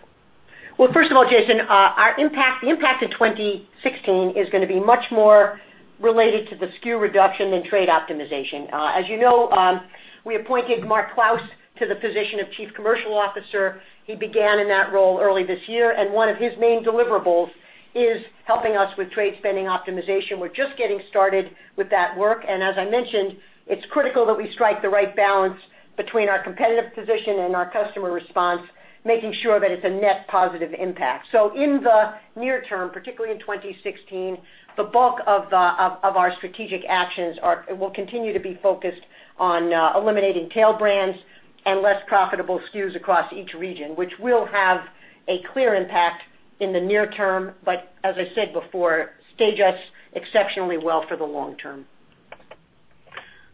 Well, first of all, Jason, our impact in 2016 is going to be much more related to the SKU reduction than trade optimization. As you know, we appointed Mark Clouse to the position of Chief Commercial Officer. He began in that role early this year, One of his main deliverables is helping us with trade spending optimization. We're just getting started with that work, As I mentioned, it's critical that we strike the right balance between our competitive position and our customer response, making sure that it's a net positive impact. In the near term, particularly in 2016, the bulk of our strategic actions will continue to be focused on eliminating tail brands and less profitable SKUs across each region, which will have a clear impact in the near term, but as I said before, stage us exceptionally well for the long term.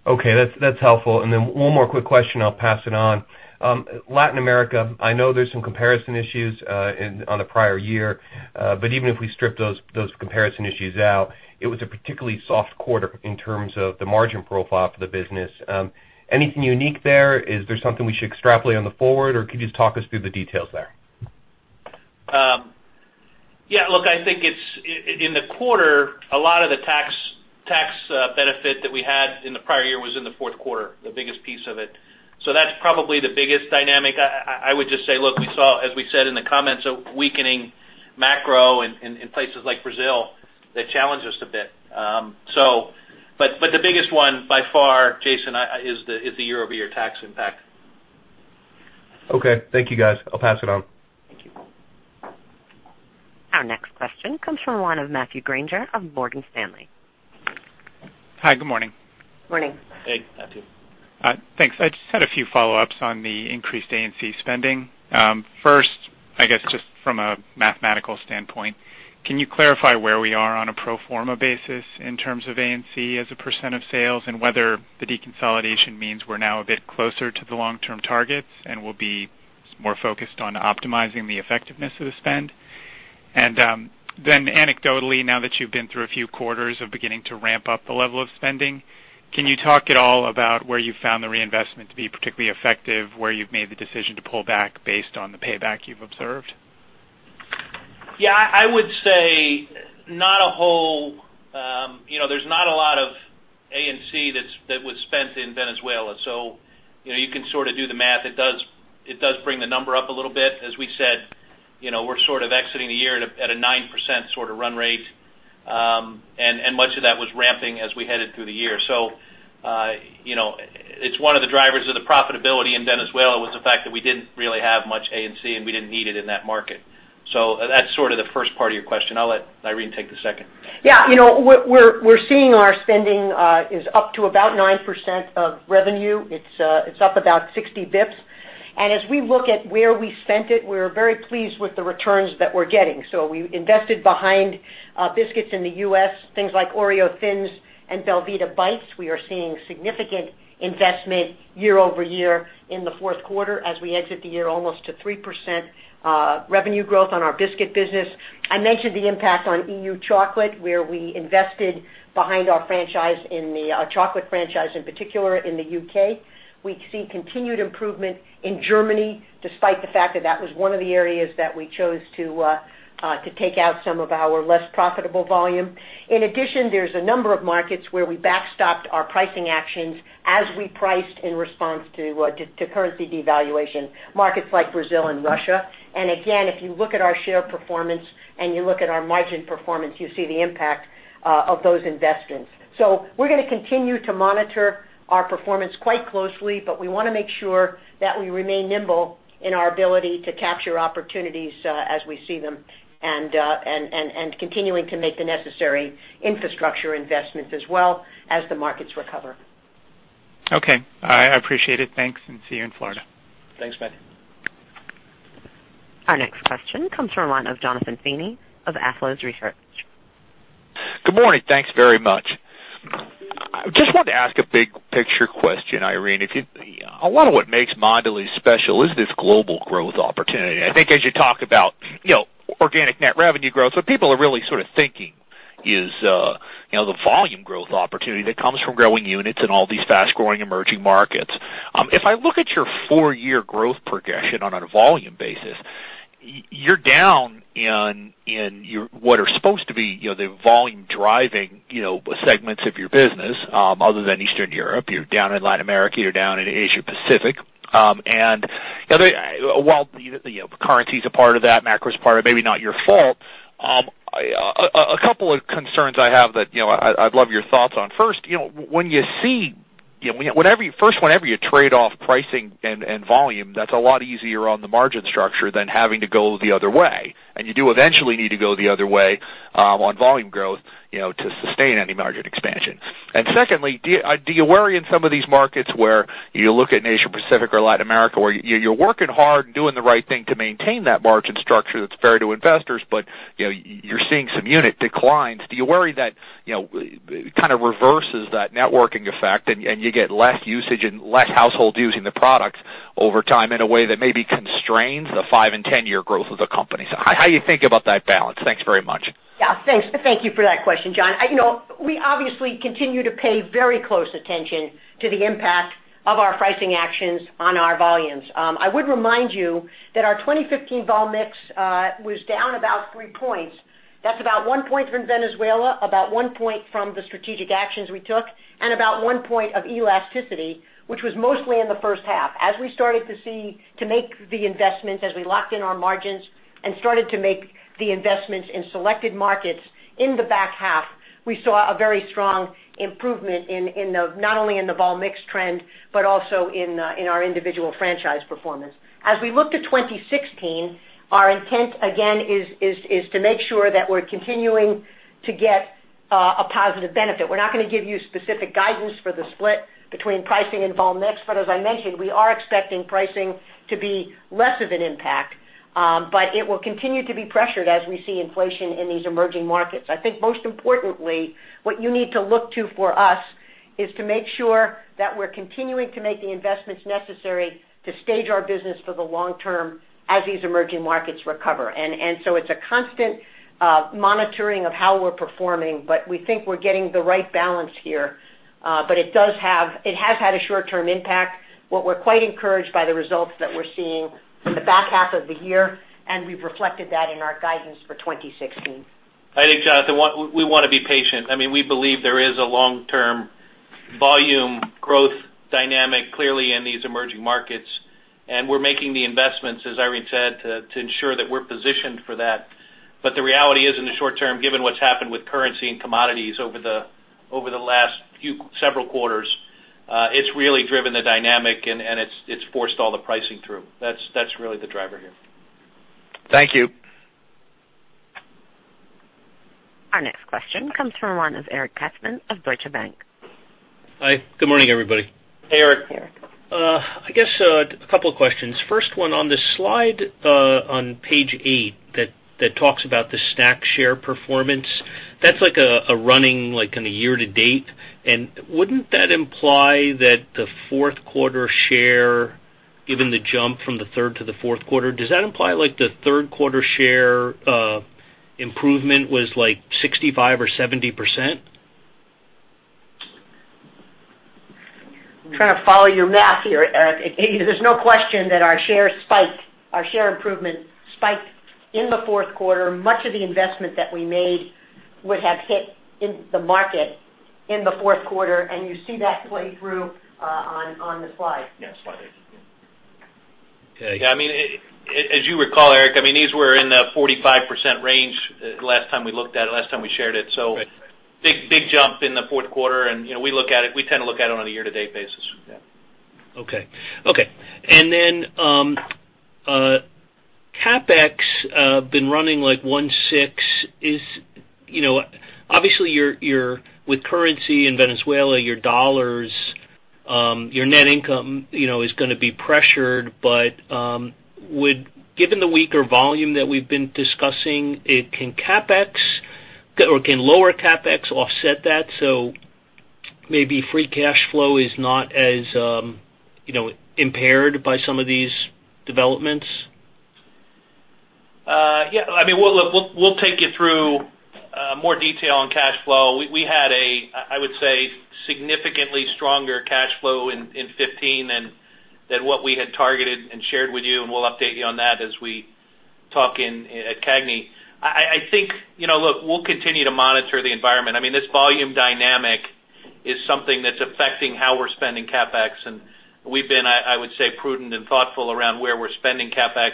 Okay, that's helpful. One more quick question and I'll pass it on. Latin America, I know there's some comparison issues on the prior year, but even if we strip those comparison issues out, it was a particularly soft quarter in terms of the margin profile for the business. Anything unique there? Is there something we should extrapolate on the forward, or could you just talk us through the details there? Yeah, look, I think in the quarter, a lot of the tax benefit that we had in the prior year was in the fourth quarter, the biggest piece of it. That's probably the biggest dynamic. I would just say, look, we saw, as we said in the comments, a weakening macro in places like Brazil that challenged us a bit. The biggest one by far, Jason, is the year-over-year tax impact. Okay, thank you, guys. I'll pass it on. Thank you. Our next question comes from the line of Matthew Grainger of Morgan Stanley. Hi, good morning. Morning. Hey, Matthew. Thanks. I just had a few follow-ups on the increased A&C spending. First, I guess just from a mathematical standpoint, can you clarify where we are on a pro forma basis in terms of A&C as a % of sales, and whether the deconsolidation means we're now a bit closer to the long-term targets and we'll be more focused on optimizing the effectiveness of the spend? Then anecdotally, now that you've been through a few quarters of beginning to ramp up the level of spending, can you talk at all about where you found the reinvestment to be particularly effective, where you've made the decision to pull back based on the payback you've observed? I would say there's not a lot of A&C that was spent in Venezuela. You can do the math. It does bring the number up a little bit. As we said, we're exiting the year at a 9% run rate. Much of that was ramping as we headed through the year. It's one of the drivers of the profitability in Venezuela was the fact that we didn't really have much A&C, and we didn't need it in that market. That's the first part of your question. I'll let Irene take the second. We're seeing our spending is up to about 9% of revenue. It's up about 60 basis points. As we look at where we spent it, we're very pleased with the returns that we're getting. We invested behind biscuits in the U.S., things like Oreo Thins and belVita Bites. We are seeing significant investment year-over-year in the fourth quarter as we exit the year almost to 3% revenue growth on our biscuit business. I mentioned the impact on EU chocolate, where we invested behind our franchise, our chocolate franchise in particular in the U.K. We see continued improvement in Germany, despite the fact that that was one of the areas that we chose to take out some of our less profitable volume. In addition, there's a number of markets where we backstopped our pricing actions as we priced in response to currency devaluation, markets like Brazil and Russia. Again, if you look at our share performance and you look at our margin performance, you see the impact of those investments. We're going to continue to monitor our performance quite closely, but we want to make sure that we remain nimble in our ability to capture opportunities as we see them and continuing to make the necessary infrastructure investments as well as the markets recover. I appreciate it. Thanks, and see you in Florida. Thanks, Matt. Our next question comes from the line of Jonathan Feeney of Athlos Research. Good morning. Thanks very much. I just wanted to ask a big picture question, Irene. A lot of what makes Mondelez special is this global growth opportunity. I think as you talk about organic net revenue growth, what people are really sort of thinking is the volume growth opportunity that comes from growing units in all these fast-growing emerging markets. If I look at your four-year growth projection on a volume basis, you're down in what are supposed to be the volume-driving segments of your business, other than Eastern Europe. You're down in Latin America, you're down in Asia Pacific. While currency is a part of that, macro is a part of it, maybe not your fault. A couple of concerns I have that I'd love your thoughts on. First, whenever you trade off pricing and volume, that's a lot easier on the margin structure than having to go the other way. You do eventually need to go the other way on volume growth to sustain any margin expansion. Secondly, do you worry in some of these markets where you look at Asia Pacific or Latin America, where you're working hard and doing the right thing to maintain that margin structure that's fair to investors, but you're seeing some unit declines. Do you worry that it kind of reverses that networking effect, and you get less usage and less households using the product over time in a way that maybe constrains the five- and 10-year growth of the company? How you think about that balance. Thanks very much. Yeah, thanks. Thank you for that question, Jonathan. We obviously continue to pay very close attention to the impact of our pricing actions on our volumes. I would remind you that our 2015 vol mix was down about three points. That's about one point from Venezuela, about one point from the strategic actions we took, and about one point of elasticity, which was mostly in the first half. As we started to make the investments, as we locked in our margins and started to make the investments in selected markets in the back half, we saw a very strong improvement not only in the vol mix trend, but also in our individual franchise performance. As we look to 2016, our intent again is to make sure that we're continuing to get a positive benefit. We're not going to give you specific guidance for the split between pricing and vol mix, but as I mentioned, we are expecting pricing to be less of an impact, but it will continue to be pressured as we see inflation in these emerging markets. I think most importantly, what you need to look to for us is to make sure that we're continuing to make the investments necessary to stage our business for the long term as these emerging markets recover. It's a constant monitoring of how we're performing, but we think we're getting the right balance here. It has had a short-term impact. What we're quite encouraged by the results that we're seeing from the back half of the year, and we've reflected that in our guidance for 2016. I think, Jonathan, we want to be patient. We believe there is a long-term volume growth dynamic clearly in these emerging markets, and we're making the investments, as Irene said, to ensure that we're positioned for that. The reality is, in the short term, given what's happened with currency and commodities over the last several quarters, it's really driven the dynamic, and it's forced all the pricing through. That's really the driver here. Thank you. Our next question comes from the line of Eric Katzman of Deutsche Bank. Hi, good morning, everybody. Hey, Eric. Hey, Eric. I guess a couple of questions. First one, on the slide on page eight that talks about the snack share performance, that's like a running year-to-date. Wouldn't that imply that the fourth quarter share, given the jump from the third to the fourth quarter, does that imply like the third quarter share improvement was like 65% or 70%? I'm trying to follow your math here, Eric. There's no question that our share spiked. Our share improvement spiked in the fourth quarter. Much of the investment that we made would have hit in the market in the fourth quarter, you see that play through on the slide. Yeah, slightly. I mean, as you recall, Eric, these were in the 45% range last time we looked at it, last time we shared it. Big jump in the fourth quarter, we tend to look at it on a year-to-date basis. Okay. Then CapEx been running like $1.6. Obviously with currency in Venezuela, your dollars, your net income is going to be pressured, given the weaker volume that we've been discussing, can lower CapEx offset that so maybe free cash flow is not as impaired by some of these developments? We'll take you through more detail on cash flow. We had a, I would say, significantly stronger cash flow in 2015 than what we had targeted and shared with you, and we'll update you on that as we talk at CAGNY. I think we'll continue to monitor the environment. This volume dynamic is something that's affecting how we're spending CapEx, and we've been, I would say, prudent and thoughtful around where we're spending CapEx.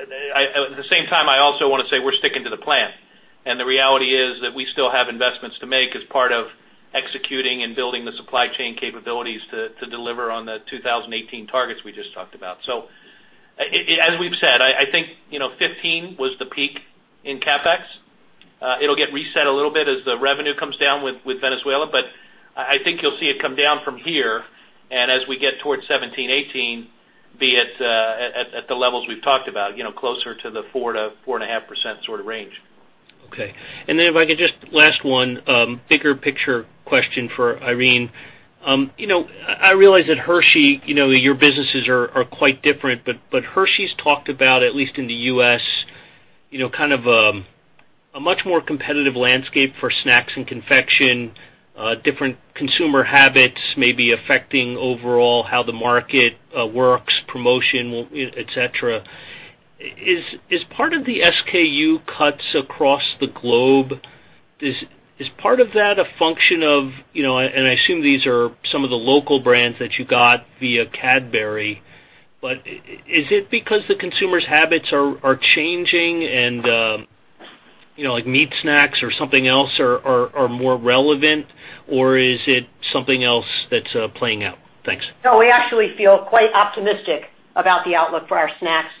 At the same time, I also want to say we're sticking to the plan. The reality is that we still have investments to make as part of executing and building the supply chain capabilities to deliver on the 2018 targets we just talked about. As we've said, I think 2015 was the peak in CapEx. It'll get reset a little bit as the revenue comes down with Venezuela, I think you'll see it come down from here, and as we get towards 2017, 2018, be at the levels we've talked about, closer to the 4%-4.5% sort of range. Okay. If I could just last one, bigger picture question for Irene. I realize that Hershey, your businesses are quite different, Hershey's talked about, at least in the U.S., kind of a much more competitive landscape for snacks and confection, different consumer habits maybe affecting overall how the market works, promotion, et cetera. Is part of the SKU cuts across the globe, is part of that a function of, and I assume these are some of the local brands that you got via Cadbury, but is it because the consumers' habits are changing and like meat snacks or something else are more relevant, or is it something else that's playing out? Thanks. No, we actually feel quite optimistic about the outlook for our snacks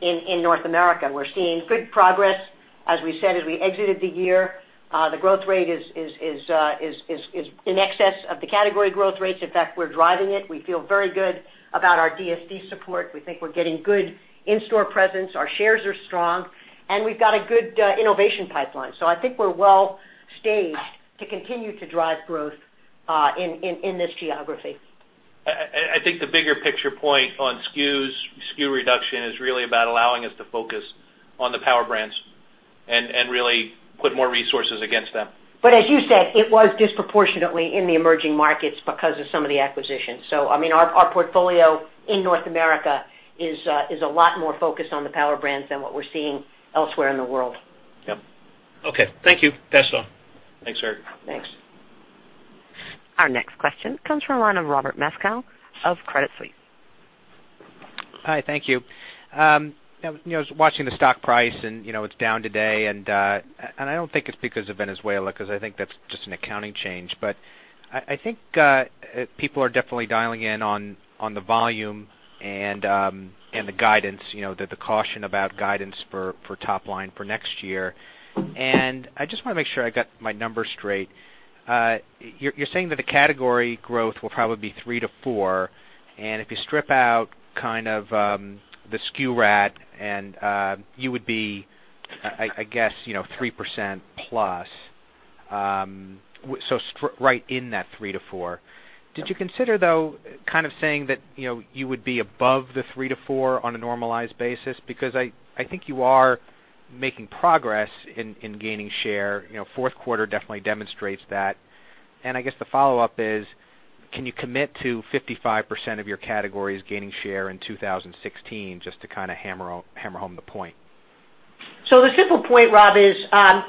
in North America. We're seeing good progress. As we said, as we exited the year, the growth rate is in excess of the category growth rates. In fact, we're driving it. We feel very good about our DSD support. We think we're getting good in-store presence. Our shares are strong, we've got a good innovation pipeline. I think we're well-staged to continue to drive growth in this geography. I think the bigger picture point on SKUs, SKU reduction is really about allowing us to focus on the Power Brands and really put more resources against them. As you said, it was disproportionately in the emerging markets because of some of the acquisitions. Our portfolio in North America is a lot more focused on the Power Brands than what we're seeing elsewhere in the world. Yep. Okay. Thank you. Pass on. Thanks, Eric. Thanks. Our next question comes from the line of Robert Moskow of Credit Suisse. Hi, thank you. I was watching the stock price, it's down today, I don't think it's because of Venezuela, because I think that's just an accounting change. I think people are definitely dialing in on the volume and the guidance, the caution about guidance for top line for next year. I just want to make sure I got my numbers straight. You're saying that the category growth will probably be 3%-4%, if you strip out kind of the SKU rationalization you would be, I guess, 3% plus. So right in that 3%-4%. Did you consider, though, kind of saying that you would be above the 3%-4% on a normalized basis? Because I think you are making progress in gaining share. Fourth quarter definitely demonstrates that. I guess the follow-up is, can you commit to 55% of your categories gaining share in 2016 just to kind of hammer home the point? The simple point, Rob, is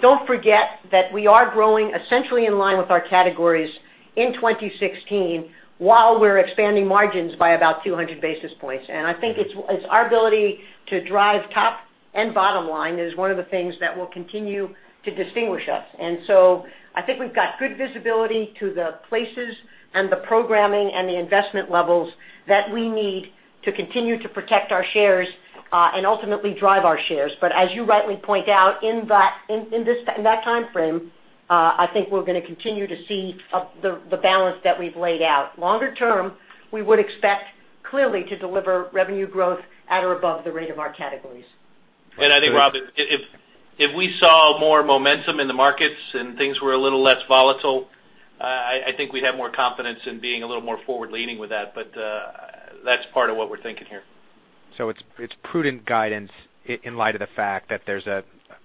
don't forget that we are growing essentially in line with our categories in 2016 while we're expanding margins by about 200 basis points. I think it's our ability to drive top and bottom line is one of the things that will continue to distinguish us. I think we've got good visibility to the places and the programming and the investment levels that we need to continue to protect our shares and ultimately drive our shares. As you rightly point out, in that time frame, I think we're going to continue to see the balance that we've laid out. Longer term, we would expect, clearly, to deliver revenue growth at or above the rate of our categories. I think, Rob, if we saw more momentum in the markets and things were a little less volatile, I think we'd have more confidence in being a little more forward-leaning with that. That's part of what we're thinking here. It's prudent guidance in light of the fact that there's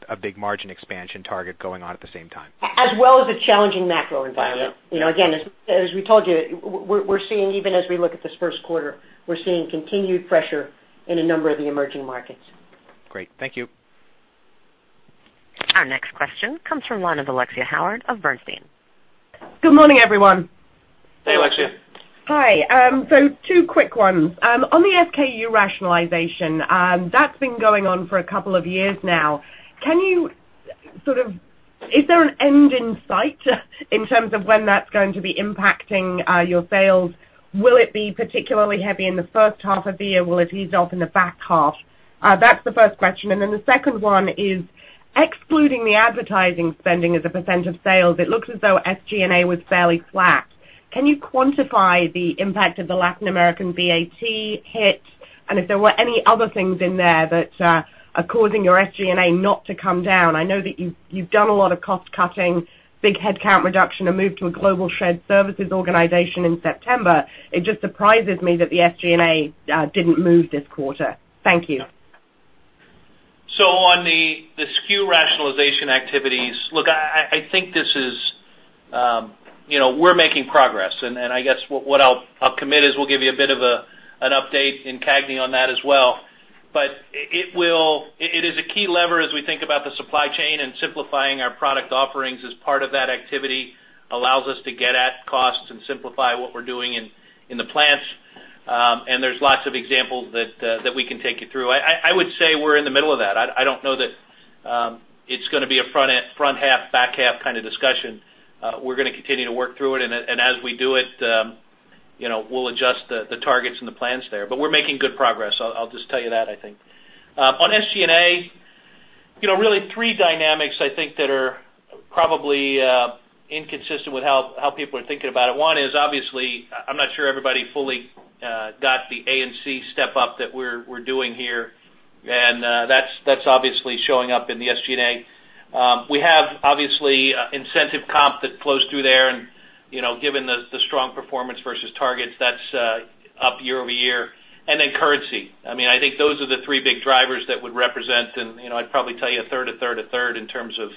a big margin expansion target going on at the same time. As well as a challenging macro environment. Yeah. Again, as we told you, we're seeing, even as we look at this first quarter, we're seeing continued pressure in a number of the emerging markets. Great. Thank you. Our next question comes from the line of Alexia Howard of Bernstein. Good morning, everyone. Hey, Alexia. Hi. Two quick ones. On the SKU rationalization, that's been going on for a couple of years now. Is there an end in sight in terms of when that's going to be impacting your sales? Will it be particularly heavy in the first half of the year? Will it ease off in the back half? That's the first question. The second one is, excluding the advertising spending as a % of sales, it looks as though SG&A was fairly flat. Can you quantify the impact of the Latin American VAT hit and if there were any other things in there that are causing your SG&A not to come down? I know that you've done a lot of cost cutting, big headcount reduction, a move to a global shared services organization in September. It just surprises me that the SG&A didn't move this quarter. Thank you. On the SKU rationalization activities, look, I think we're making progress, and I guess what I'll commit is we'll give you a bit of an update in CAGNY on that as well. It is a key lever as we think about the supply chain and simplifying our product offerings as part of that activity allows us to get at costs and simplify what we're doing in the plants. There's lots of examples that we can take you through. I would say we're in the middle of that. I don't know that it's going to be a front half, back half kind of discussion. We're going to continue to work through it, and as we do it we'll adjust the targets and the plans there. We're making good progress. I'll just tell you that, I think. On SG&A, really three dynamics I think that are probably inconsistent with how people are thinking about it. One is, obviously, I'm not sure everybody fully got the A&C step up that we're doing here, and that's obviously showing up in the SG&A. We have, obviously, incentive comp that flows through there and Given the strong performance versus targets, that's up year-over-year. Currency. I think those are the three big drivers that would represent, and I'd probably tell you a third, a third, a third in terms of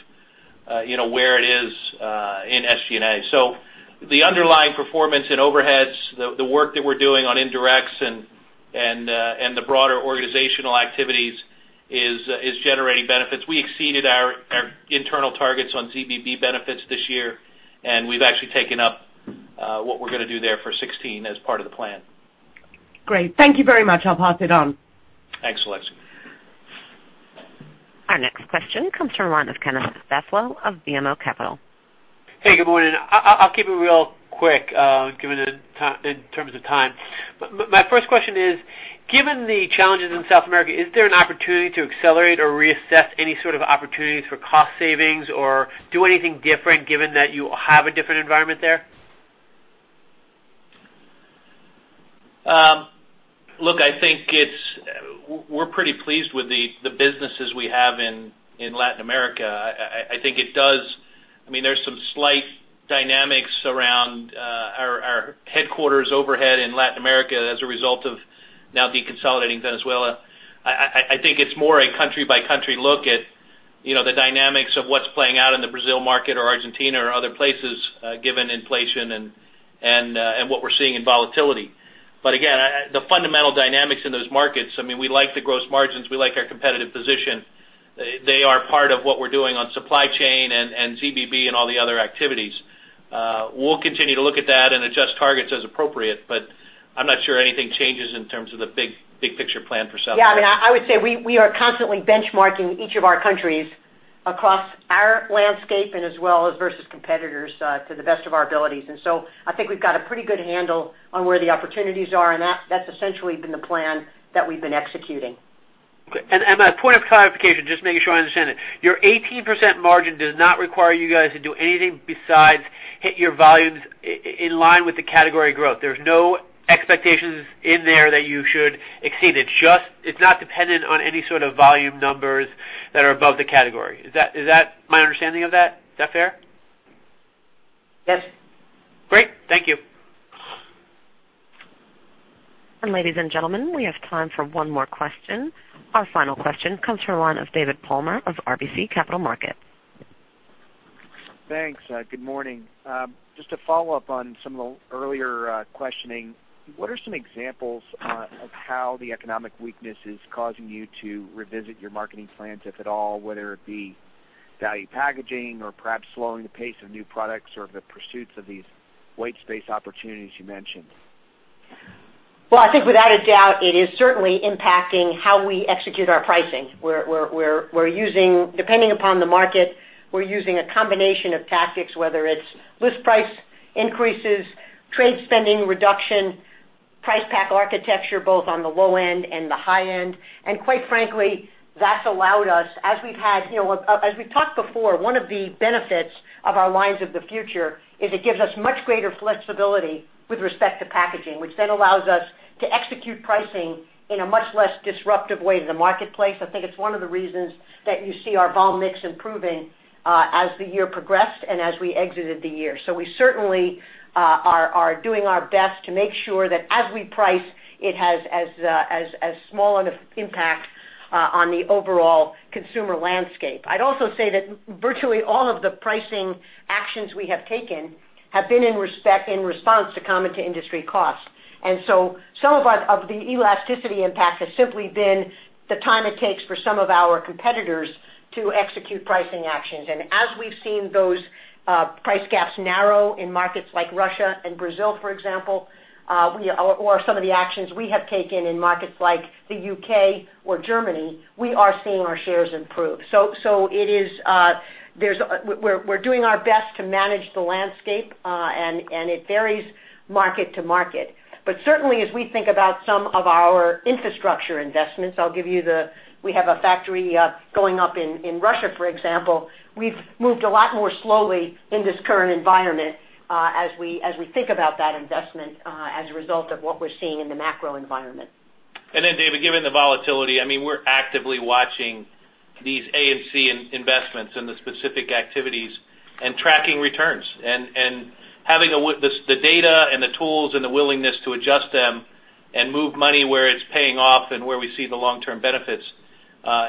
where it is in SG&A. The underlying performance in overheads, the work that we're doing on indirects, and the broader organizational activities is generating benefits. We exceeded our internal targets on ZBB benefits this year, and we've actually taken up what we're going to do there for 2016 as part of the plan. Great. Thank you very much. I'll pass it on. Thanks, Alexia. Our next question comes from the line of Kenneth Zaslow of BMO Capital. Hey, good morning. I'll keep it real quick, given in terms of time. My first question is, given the challenges in South America, is there an opportunity to accelerate or reassess any sort of opportunities for cost savings or do anything different given that you have a different environment there? Look, I think we're pretty pleased with the businesses we have in Latin America. There's some slight dynamics around our headquarters overhead in Latin America as a result of now deconsolidating Venezuela. I think it's more a country-by-country look at the dynamics of what's playing out in the Brazil market or Argentina or other places, given inflation and what we're seeing in volatility. Again, the fundamental dynamics in those markets, we like the gross margins, we like our competitive position. They are part of what we're doing on supply chain and ZBB and all the other activities. We'll continue to look at that and adjust targets as appropriate, but I'm not sure anything changes in terms of the big picture plan for South America. I would say we are constantly benchmarking each of our countries across our landscape and as well as versus competitors to the best of our abilities. I think we've got a pretty good handle on where the opportunities are, and that's essentially been the plan that we've been executing. A point of clarification, just making sure I understand it. Your 18% margin does not require you guys to do anything besides hit your volumes in line with the category growth. There's no expectations in there that you should exceed. It's not dependent on any sort of volume numbers that are above the category. Is that my understanding of that? Is that fair? Yes. Great. Thank you. Ladies and gentlemen, we have time for one more question. Our final question comes from the line of David Palmer of RBC Capital Markets. Thanks. Good morning. Just to follow up on some of the earlier questioning, what are some examples of how the economic weakness is causing you to revisit your marketing plans, if at all, whether it be value packaging or perhaps slowing the pace of new products or the pursuits of these white space opportunities you mentioned? Well, I think without a doubt, it is certainly impacting how we execute our pricing. Depending upon the market, we're using a combination of tactics, whether it's list price increases, trade spending reduction, price pack architecture, both on the low end and the high end. Quite frankly, that's allowed us, as we've talked before, one of the benefits of our Lines of the Future is it gives us much greater flexibility with respect to packaging, which then allows us to execute pricing in a much less disruptive way to the marketplace. I think it's one of the reasons that you see our volume/mix improving as the year progressed and as we exited the year. We certainly are doing our best to make sure that as we price, it has as small an impact on the overall consumer landscape. I'd also say that virtually all of the pricing actions we have taken have been in response to common to industry cost. Some of the elasticity impact has simply been the time it takes for some of our competitors to execute pricing actions. As we've seen those price gaps narrow in markets like Russia and Brazil, for example, or some of the actions we have taken in markets like the U.K. or Germany, we are seeing our shares improve. We're doing our best to manage the landscape, and it varies market to market. Certainly, as we think about some of our infrastructure investments, we have a factory going up in Russia, for example. We've moved a lot more slowly in this current environment as we think about that investment as a result of what we're seeing in the macro environment. David, given the volatility, we're actively watching these A&C investments and the specific activities and tracking returns and having the data and the tools and the willingness to adjust them and move money where it's paying off and where we see the long-term benefits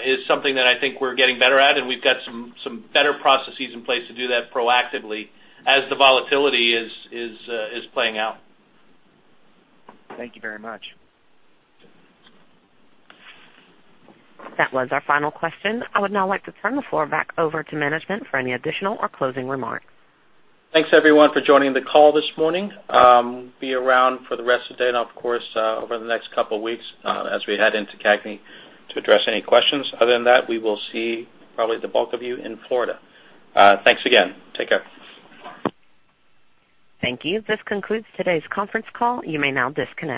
is something that I think we're getting better at, and we've got some better processes in place to do that proactively as the volatility is playing out. Thank you very much. That was our final question. I would now like to turn the floor back over to management for any additional or closing remarks. Thanks, everyone, for joining the call this morning. Be around for the rest of the day and of course, over the next couple of weeks as we head into CAGNY to address any questions. Other than that, we will see probably the bulk of you in Florida. Thanks again. Take care. Thank you. This concludes today's conference call. You may now disconnect.